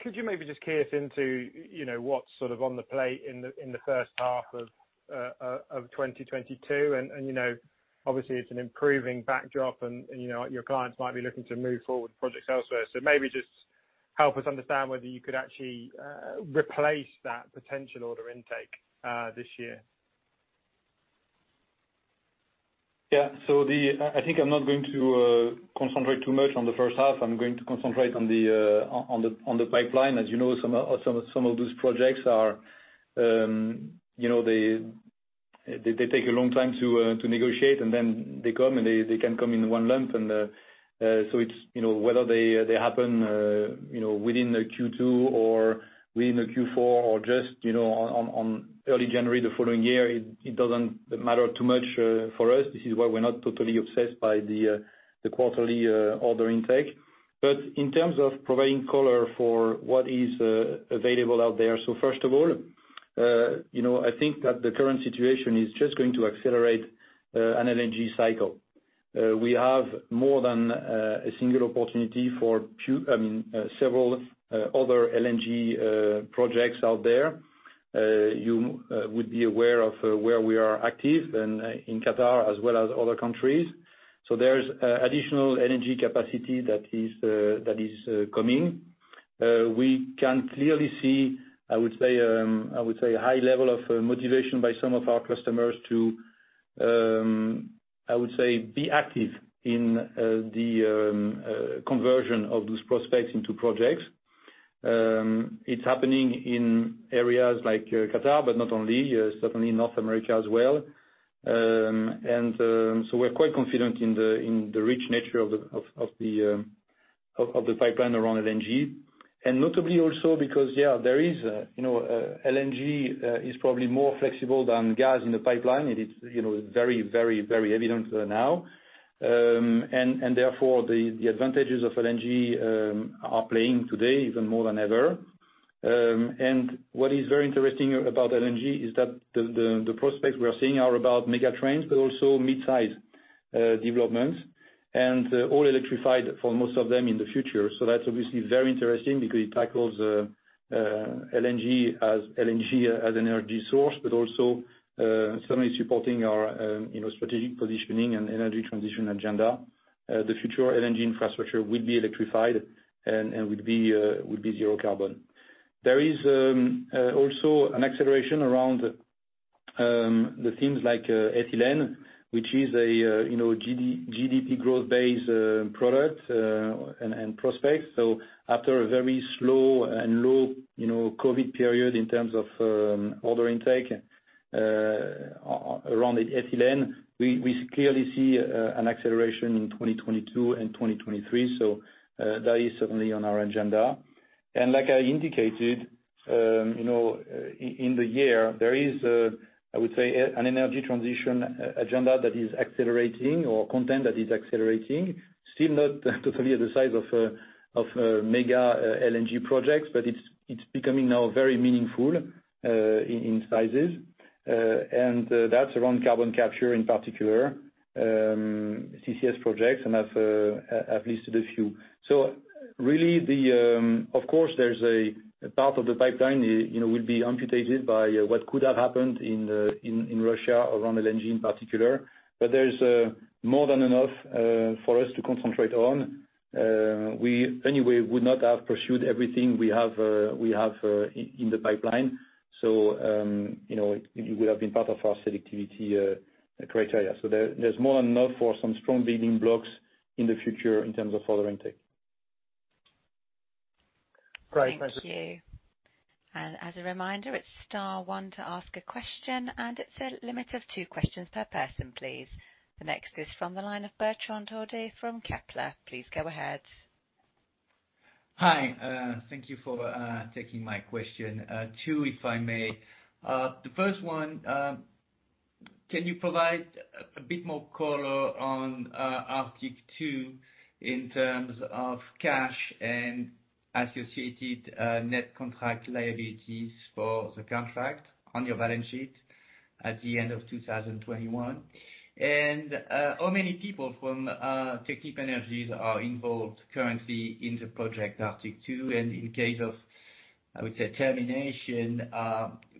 Could you maybe just key us into, you know, what's sort of on the plate in the first half of 2022? You know, obviously it's an improving backdrop and, you know, your clients might be looking to move forward with projects elsewhere. Maybe just help us understand whether you could actually replace that potential order intake this year. I think I'm not going to concentrate too much on the first half. I'm going to concentrate on the pipeline. As you know, those projects are, you know, they take a long time to negotiate, and then they come, and they can come in one lump. It's, you know, whether they happen, you know, within the Q2 or within the Q4 or just, you know, on early January the following year, it doesn't matter too much for us. This is why we're not totally obsessed by the quarterly order intake. In terms of providing color for what is available out there. First of all, you know, I think that the current situation is just going to accelerate an LNG cycle. We have more than several other LNG projects out there. You would be aware of where we are active, and in Qatar as well as other countries. There's additional LNG capacity that is coming. We can clearly see, I would say, a high level of motivation by some of our customers to, I would say, be active in the conversion of those prospects into projects. It's happening in areas like Qatar, but not only, certainly North America as well. We're quite confident in the rich nature of the pipeline around LNG. Notably also because there is LNG is probably more flexible than gas in the pipeline. It is you know very evident now. Therefore, the advantages of LNG are playing today even more than ever. What is very interesting about LNG is that the prospects we are seeing are about mega trends, but also mid-size developments, and all electrified for most of them in the future. That's obviously very interesting because it tackles LNG as an energy source, but also certainly supporting our you know strategic positioning and energy transition agenda. The future LNG infrastructure will be electrified and will be zero carbon. There is also an acceleration around the things like ethylene, which is a, you know, GDP growth base product and prospects. After a very slow and low, you know, COVID period in terms of order intake around the ethylene, we clearly see an acceleration in 2022 and 2023. That is certainly on our agenda. Like I indicated, you know, in the year, there is I would say an energy transition agenda that is accelerating or content that is accelerating. Still not totally the size of mega LNG projects, but it's becoming now very meaningful in sizes. That's around carbon capture, in particular, CCS projects, and I've listed a few. Really, of course, there's a part of the pipeline, you know, will be amputated by what could have happened in Russia around LNG in particular. There's more than enough for us to concentrate on. We anyway would not have pursued everything we have in the pipeline. You know, it would have been part of our selectivity criteria. There's more than enough for some strong building blocks in the future in terms of order intake. Great. Thank you. Thank you. As a reminder, it's star one to ask a question, and it's a limit of two questions per person, please. The next is from the line of Bertrand Hodee from Kepler. Please go ahead. Hi, thank you for taking my question. Two, if I may. The first one, can you provide a bit more color on Arctic 2 in terms of cash and associated net contract liabilities for the contract on your balance sheet at the end of 2021? How many people from Technip Energies are involved currently in the project Arctic 2? In case of, I would say, termination,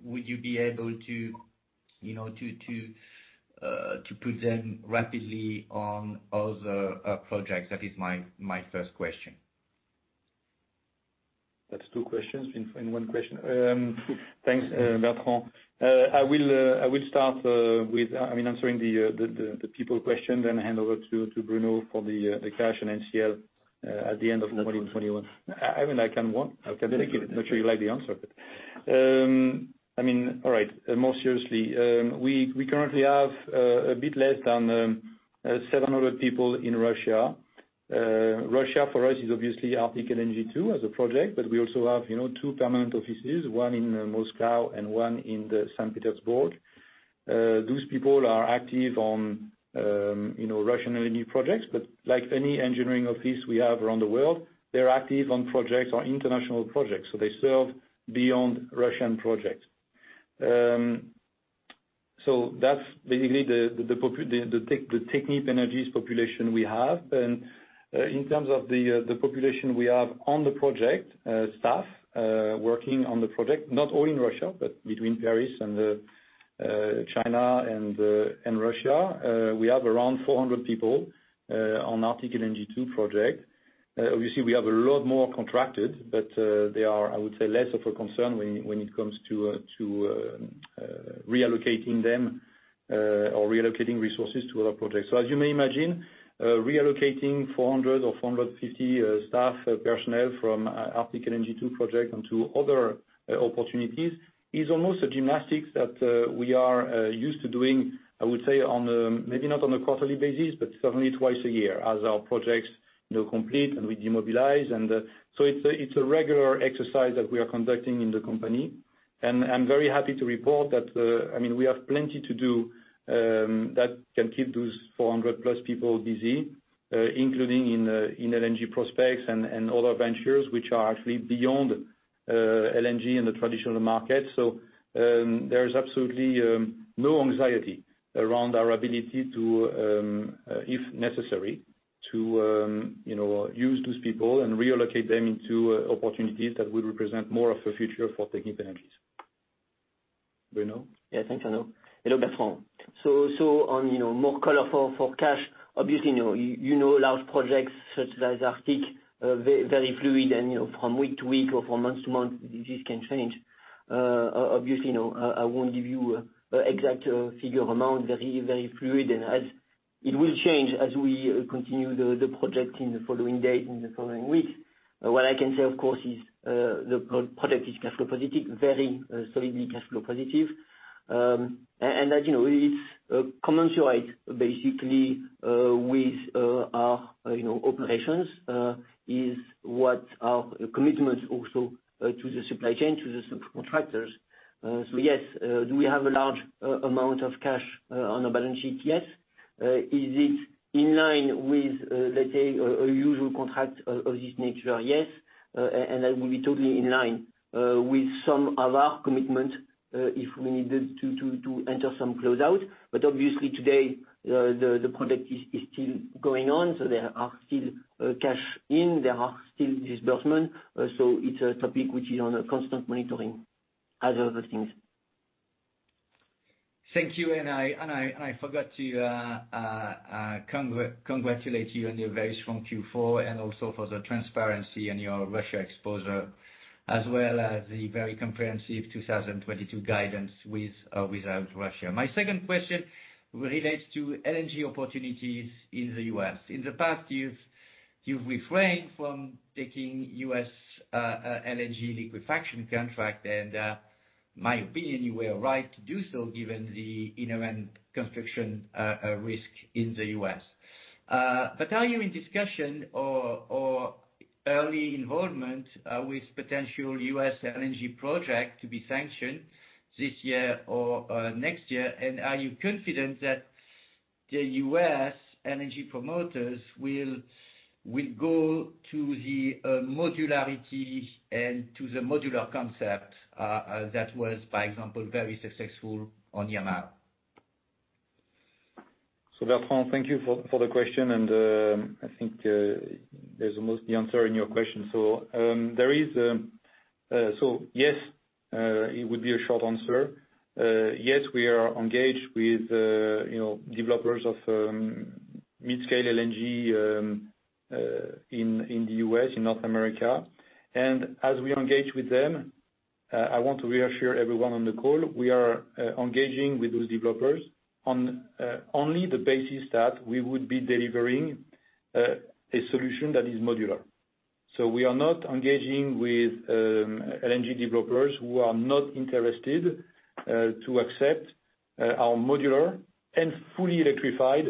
would you be able to put them rapidly on other projects. That is my first question. That's two questions in one question. Thanks, Bertrand. I will start I mean, answering the people question, then hand over to Bruno for the cash and NCL at the end of 2021. I mean, I can want. I can dedicate it. Not sure you'll like the answer, but all right, more seriously, we currently have a bit less than 700 people in Russia. Russia for us is obviously Arctic LNG 2 as a project, but we also have two permanent offices, one in Moscow and one in St. Petersburg. Those people are active on, you know, Russian LNG projects, but like any engineering office we have around the world, they're active on projects or international projects, so they serve beyond Russian projects. That's basically the Technip Energies population we have. In terms of the population we have on the project, staff working on the project, not all in Russia, but between Paris and China and Russia, we have around 400 people on Arctic LNG 2 project. Obviously, we have a lot more contracted, but they are, I would say, less of a concern when it comes to reallocating them or reallocating resources to other projects. As you may imagine, reallocating 400 or 450 staff personnel from the Arctic LNG 2 project onto other opportunities is almost a gymnastics that we are used to doing, I would say, maybe not on a quarterly basis, but certainly twice a year as our projects, you know, complete and we demobilize. It's a regular exercise that we are conducting in the company. I'm very happy to report that, I mean, we have plenty to do that can keep those 400+ people busy, including in LNG prospects and other ventures which are actually beyond LNG and the traditional market. There is absolutely no anxiety around our ability to, if necessary, to you know use those people and relocate them into opportunities that would represent more of a future for Technip Energies. Bruno? Thanks, Arnaud. Hello, Bertrand. On, you know, more color for cash, obviously, you know, large projects such as Arctic are very fluid and, you know, from week to week or from month to month, this can change. Obviously, you know, I won't give you a exact figure amount, very fluid. As it will change as we continue the project in the following days, in the following weeks. What I can say, of course, is the project is cash flow positive, very solidly cash flow positive. And as you know, it's commensurate basically with our operations, is what our commitment also to the supply chain, to the subcontractors. Yes, do we have a large amount of cash on our balance sheet? Yes. Is it in line with, let's say a usual contract of this nature? Yes. That will be totally in line with some other commitment if we needed to enter some close out. Obviously today, the project is still going on, so there are still cash in, there are still disbursement. It's a topic which is on a constant monitoring, as other things. Thank you. I forgot to congratulate you on your very strong Q4 and also for the transparency on your Russia exposure, as well as the very comprehensive 2022 guidance without Russia. My second question relates to LNG opportunities in the U.S. In the past, you've refrained from taking U.S. LNG liquefaction contract, and in my opinion, you were right to do so given the inherent construction risk in the U.S. But are you in discussion or early involvement with potential U.S. LNG project to be sanctioned this year or next year? And are you confident that the U.S. LNG promoters will go to the modularity and to the modular concept that was, for example, very successful on Yamal? Bertrand, thank you for the question, and I think there's almost the answer in your question. There is, so yes, it would be a short answer. Yes, we are engaged with you know, developers of mid-scale LNG in the U.S., in North America. As we engage with them, I want to reassure everyone on the call, we are engaging with those developers on only the basis that we would be delivering a solution that is modular. We are not engaging with LNG developers who are not interested to accept our modular and fully electrified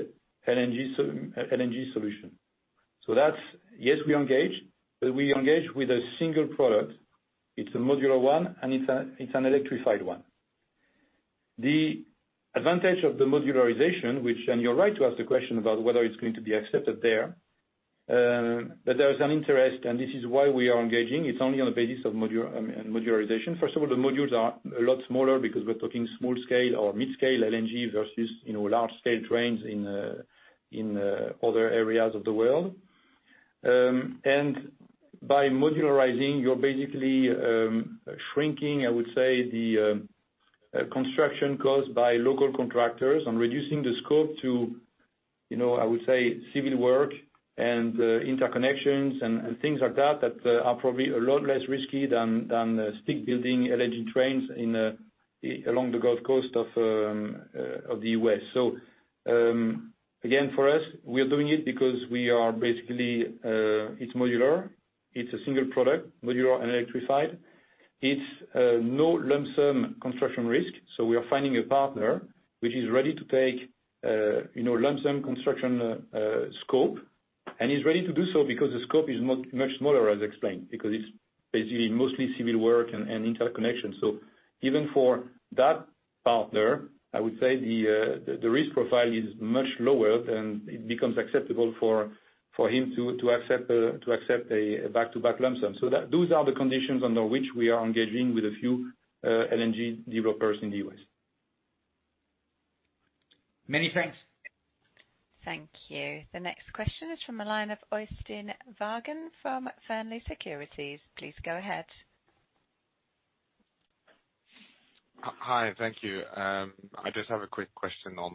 LNG solution. That's. Yes, we engage, but we engage with a single product. It's a modular one, and it's an electrified one. The advantage of the modularization, and you're right to ask the question about whether it's going to be accepted there, but there is an interest, and this is why we are engaging. It's only on the basis of modularization. First of all, the modules are a lot smaller because we're talking small scale or mid scale LNG versus, you know, large scale trains in other areas of the world. By modularizing, you're basically shrinking, I would say, the construction costs by local contractors and reducing the scope to, you know, I would say civil work and interconnections and things like that that are probably a lot less risky than stick building LNG trains in along the Gulf Coast of the U.S. Again, for us, we are doing it because we are basically it's modular. It's a single product, modular and electrified. It's no lump sum construction risk, so we are finding a partner which is ready to take, you know, lump sum construction scope, and is ready to do so because the scope is much smaller, as explained, because it's basically mostly civil work and interconnection. Even for that partner, I would say the risk profile is much lower, and it becomes acceptable for him to accept a back-to-back lump sum. Those are the conditions under which we are engaging with a few LNG developers in the U.S. Many thanks. Thank you. The next question is from the line of Øystein Vaagen from Fearnley Securities. Please go ahead. Hi, thank you. I just have a quick question on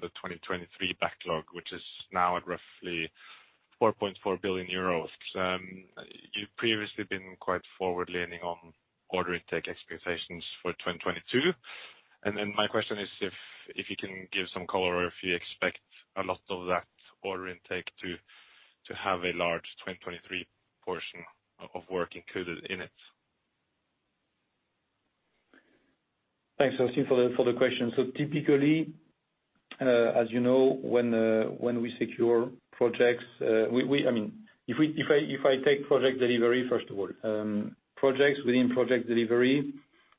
the 2023 backlog, which is now at roughly 4.4 billion euros. You've previously been quite forward-leaning on order intake expectations for 2022. My question is if you can give some color or if you expect a lot of that order intake to have a large 2023 portion of work included in it. Thanks, Øystein, for the question. Typically, as you know, when we secure projects, I mean, if I take project delivery, first of all, projects within project delivery,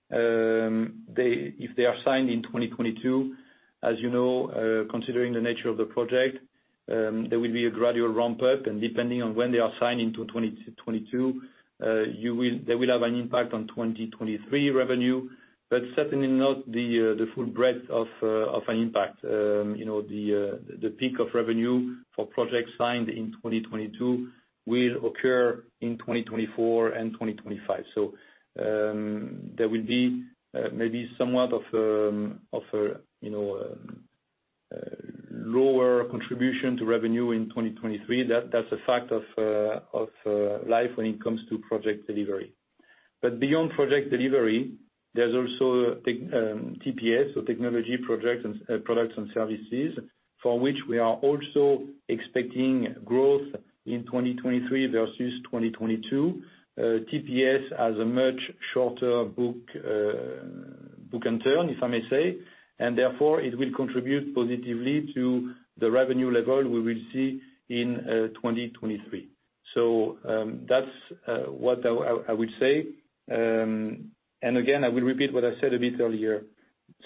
if they are signed in 2022, as you know, considering the nature of the project, there will be a gradual ramp up, and depending on when they are signed in 2022, they will have an impact on 2023 revenue, but certainly not the full breadth of an impact. You know, the peak of revenue for projects signed in 2022 will occur in 2024 and 2025. There will be maybe somewhat of a you know lower contribution to revenue in 2023. That's a fact of life when it comes to project delivery. Beyond project delivery, there's also TPS, so Technology, Products and Services, for which we are also expecting growth in 2023 versus 2022. TPS has a much shorter book-to-bill, if I may say, and therefore, it will contribute positively to the revenue level we will see in 2023. That's what I would say. Again, I will repeat what I said a bit earlier.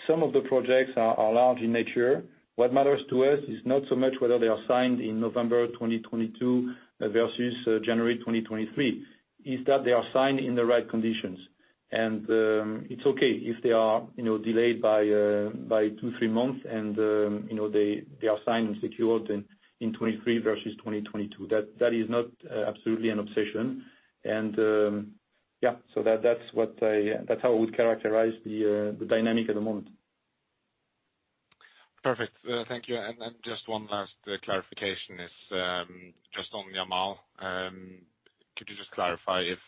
Some of the projects are large in nature. What matters to us is not so much whether they are signed in November 2022 versus January 2023. It's that they are signed in the right conditions. It's okay if they are, you know, delayed by two, three months and, you know, they are signed and secured in 2023 versus 2022. That is not absolutely an obsession. Yeah, so that's how I would characterize the dynamic at the moment. Perfect. Thank you. Just one last clarification is, just on Yamal. Could you just clarify if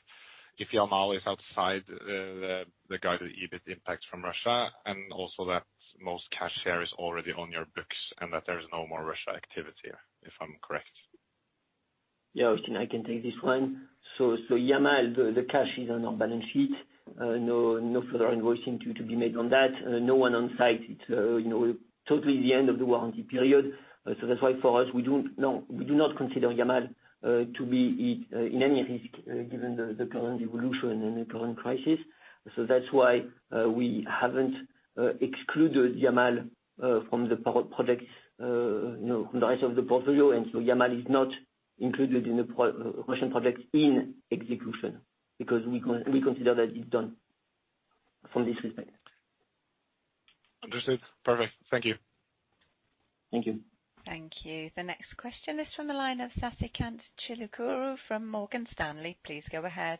Yamal is outside the guided EBIT impact from Russia, and also that most cash share is already on your books and that there is no more Russia activity, if I'm correct? Yeah, Øystein, I can take this one. So Yamal, the cash is on our balance sheet. No further invoicing to be made on that. No one on site. It's you know, totally the end of the warranty period. That's why for us, we do not consider Yamal to be in any risk given the current evolution and the current crisis. That's why we haven't excluded Yamal from the pro-projects you know, from the rest of the portfolio. Yamal is not included in the pro-Russian projects in execution because we consider that it's done from this respect. Understood. Perfect. Thank you. Thank you. Thank you. The next question is from the line of Sasikanth Chilukuru from Morgan Stanley. Please go ahead.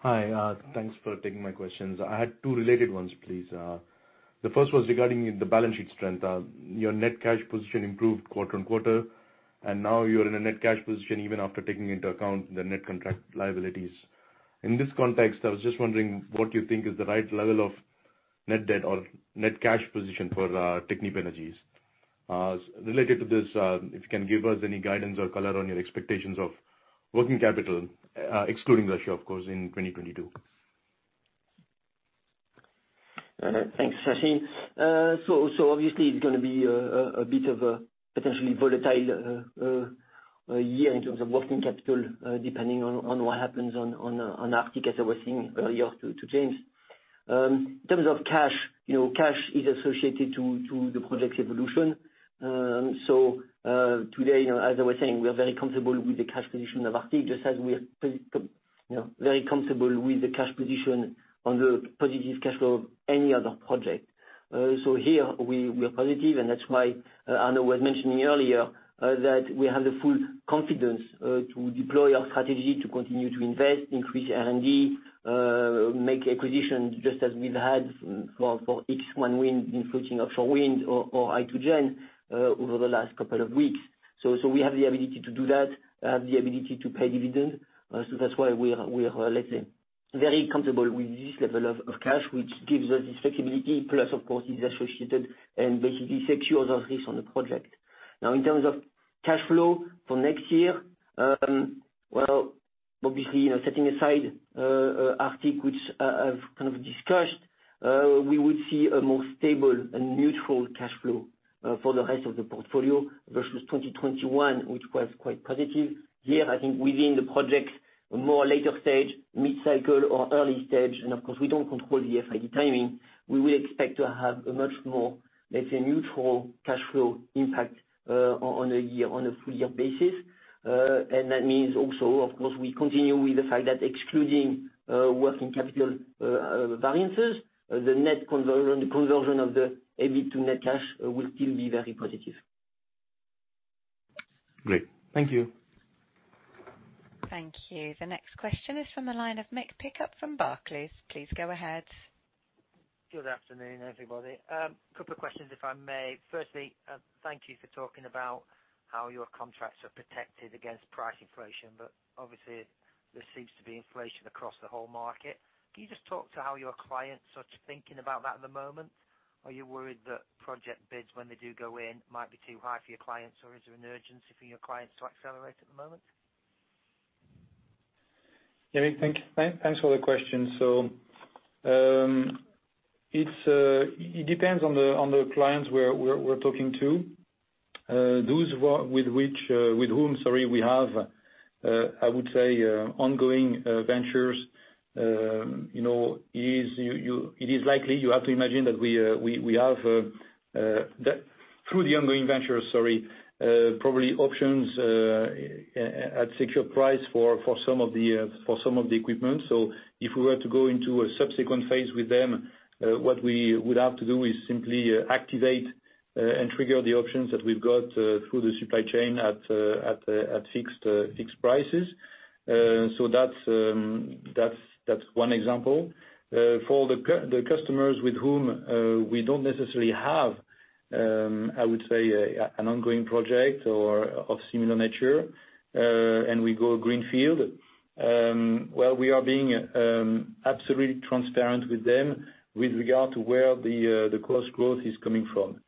Hi. Thanks for taking my questions. I had two related ones, please. The first was regarding the balance sheet strength. Your net cash position improved quarter-over-quarter, and now you're in a net cash position even after taking into account the net contract liabilities. In this context, I was just wondering what you think is the right level of net debt or net cash position for Technip Energies. Related to this, if you can give us any guidance or color on your expectations of working capital, excluding Russia, of course, in 2022. Thanks, Sasikanth. Obviously it's gonna be a bit of a potentially volatile year in terms of working capital, depending on Arctic, as I was saying earlier to James. In terms of cash, you know, cash is associated to the project's evolution. Today, you know, as I was saying, we are very comfortable with the cash position of Arctic, just as we are, you know, very comfortable with the cash position on the positive cash flow of any other project. Here we are positive, and that's why Arnaud was mentioning earlier that we have the full confidence to deploy our strategy to continue to invest, increase R&D, make acquisitions just as we've had for X1 Wind, including offshore wind or Hy2gen over the last couple of weeks. We have the ability to do that, have the ability to pay dividends. That's why we're, let's say, very comfortable with this level of cash, which gives us this flexibility, plus of course it's associated and basically secures our risk on the project. Now, in terms of cash flow for next year, well, obviously, you know, setting aside Arctic, which I've kind of discussed, we would see a more stable and neutral cash flow for the rest of the portfolio versus 2021, which was quite positive. Here, I think within the projects more later stage, mid-cycle or early stage, and of course we don't control the FID timing, we will expect to have a much more, let's say, neutral cash flow impact on a year, on a full year basis. That means also, of course, we continue with the fact that excluding working capital variances, the net conversion of the EBIT to net cash will still be very positive. Great. Thank you. Thank you. The next question is from the line of Mick Pickup from Barclays. Please go ahead. Good afternoon, everybody. Couple of questions if I may. Firstly, thank you for talking about how your contracts are protected against price inflation. Obviously there seems to be inflation across the whole market. Can you just talk to how your clients are thinking about that at the moment? Are you worried that project bids, when they do go in, might be too high for your clients, or is there an urgency for your clients to accelerate at the moment? Yeah, Mick, thanks for the question. It depends on the clients we're talking to. Those with whom, sorry, we have I would say ongoing ventures you know. It is likely you have to imagine that we have through the ongoing ventures, sorry, probably options at secure price for some of the equipment. If we were to go into a subsequent phase with them, what we would have to do is simply activate and trigger the options that we've got through the supply chain at fixed prices. That's one example. For the customers with whom we don't necessarily have, I would say, an ongoing project or of similar nature, and we go greenfield, we are being absolutely transparent with them with regard to where the cost growth is coming from.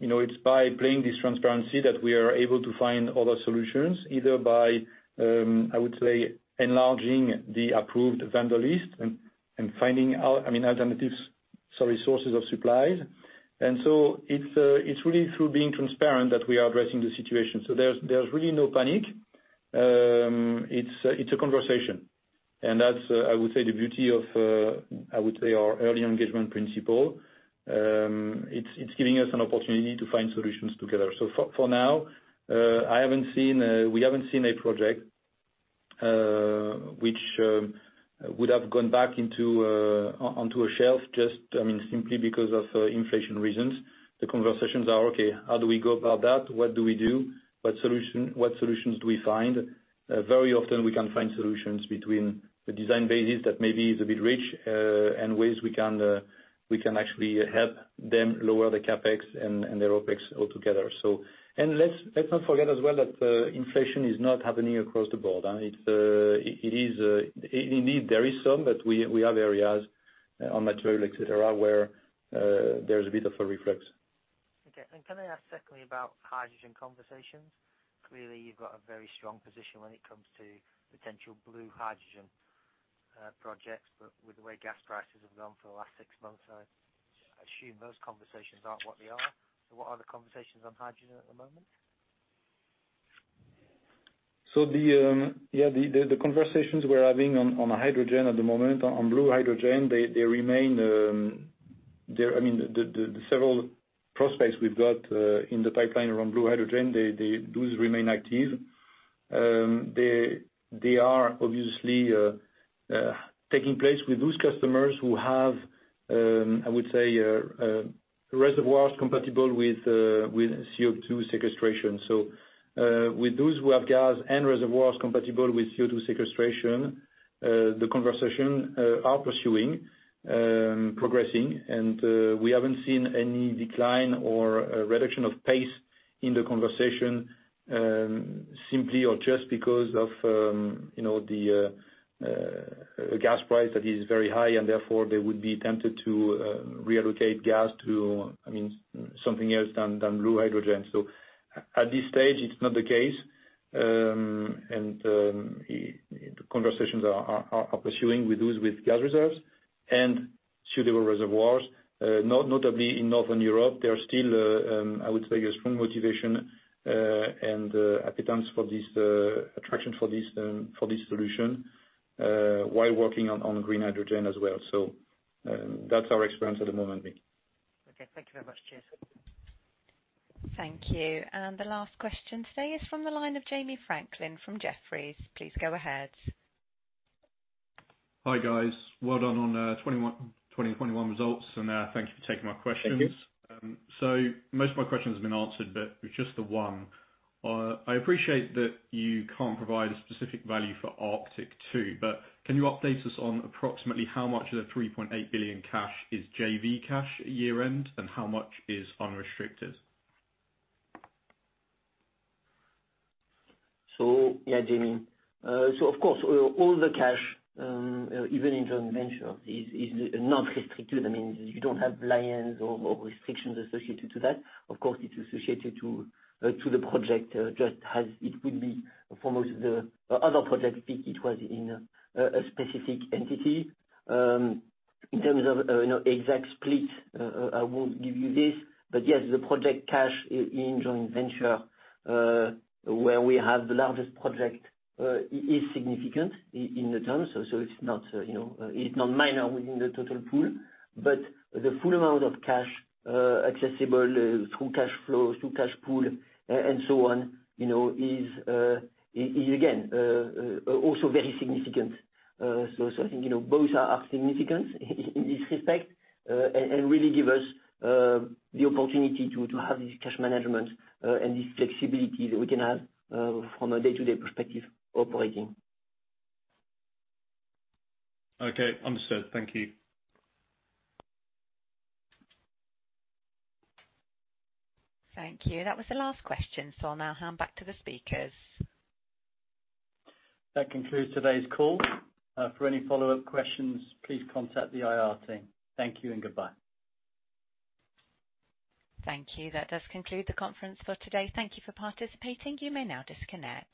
You know, it's by playing this transparency that we are able to find other solutions, either by, I would say, enlarging the approved vendor list and finding out, I mean, alternatives, sorry, sources of supplies. It's really through being transparent that we are addressing the situation. There's really no panic. It's a conversation. That's, I would say, the beauty of, I would say, our early engagement principle. It's giving us an opportunity to find solutions together. For now, I haven't seen, we haven't seen a project which would have gone back into onto a shelf just, I mean, simply because of inflation reasons. The conversations are, okay, how do we go about that? What do we do? What solution, what solutions do we find? Very often we can find solutions between the design basis that maybe is a bit rich, and ways we can we can actually help them lower the CapEx and their OpEx altogether so. Let's not forget as well that inflation is not happening across the board. It's it is indeed there is some, but we have areas on material, et cetera, where there's a bit of a reflux. Okay. Can I ask secondly about hydrogen conversations? Clearly you've got a very strong position when it comes to potential blue hydrogen projects. With the way gas prices have gone for the last six months, I assume those conversations aren't what they are. What are the conversations on hydrogen at the moment? The conversations we're having on hydrogen at the moment, on blue hydrogen, they remain. I mean, the several prospects we've got in the pipeline around blue hydrogen, those remain active. They are obviously taking place with those customers who have, I would say, reservoirs compatible with CO2 sequestration. With those who have gas and reservoirs compatible with CO2 sequestration, the conversation are pursuing, progressing, and we haven't seen any decline or a reduction of pace in the conversation, simply or just because of, you know, the gas price that is very high and therefore they would be tempted to reallocate gas to, I mean, something else than blue hydrogen. At this stage it's not the case. The conversations are pursuing with those with gas reserves and suitable reservoirs. Notably in Northern Europe, there are still a strong motivation and appetite for this solution, while working on green hydrogen as well. That's our experience at the moment, Mick. Okay. Thank you very much. Cheers. Thank you. The last question today is from the line of Jamie Franklin from Jefferies. Please go ahead. Hi, guys. Well done on 2021 results, thank you for taking my questions. Thank you. Most of my questions have been answered, but just the one. I appreciate that you can't provide a specific value for Arctic 2, but can you update us on approximately how much of the 3.8 billion cash is JV cash year-end, and how much is unrestricted? Yeah, Jamie. Of course, all the cash, even in joint venture is not restricted. I mean, you don't have liens or restrictions associated to that. Of course, it's associated to the project, just as it would be for most of the other projects, it was in a specific entity. In terms of, you know, exact split, I won't give you this, but yes, the project cash in joint venture, where we have the largest project, is significant in the terms. It's not, you know, it's not minor within the total pool. The full amount of cash, accessible through cash flows, through cash pool and so on, you know, is again also very significant. I think, you know, both are significant in this respect and really give us the opportunity to have this cash management and this flexibility that we can have from a day-to-day perspective operating. Okay, understood. Thank you. Thank you. That was the last question, so I'll now hand back to the speakers. That concludes today's call. For any follow-up questions, please contact the IR team. Thank you and goodbye. Thank you. That does conclude the conference for today. Thank you for participating. You may now disconnect.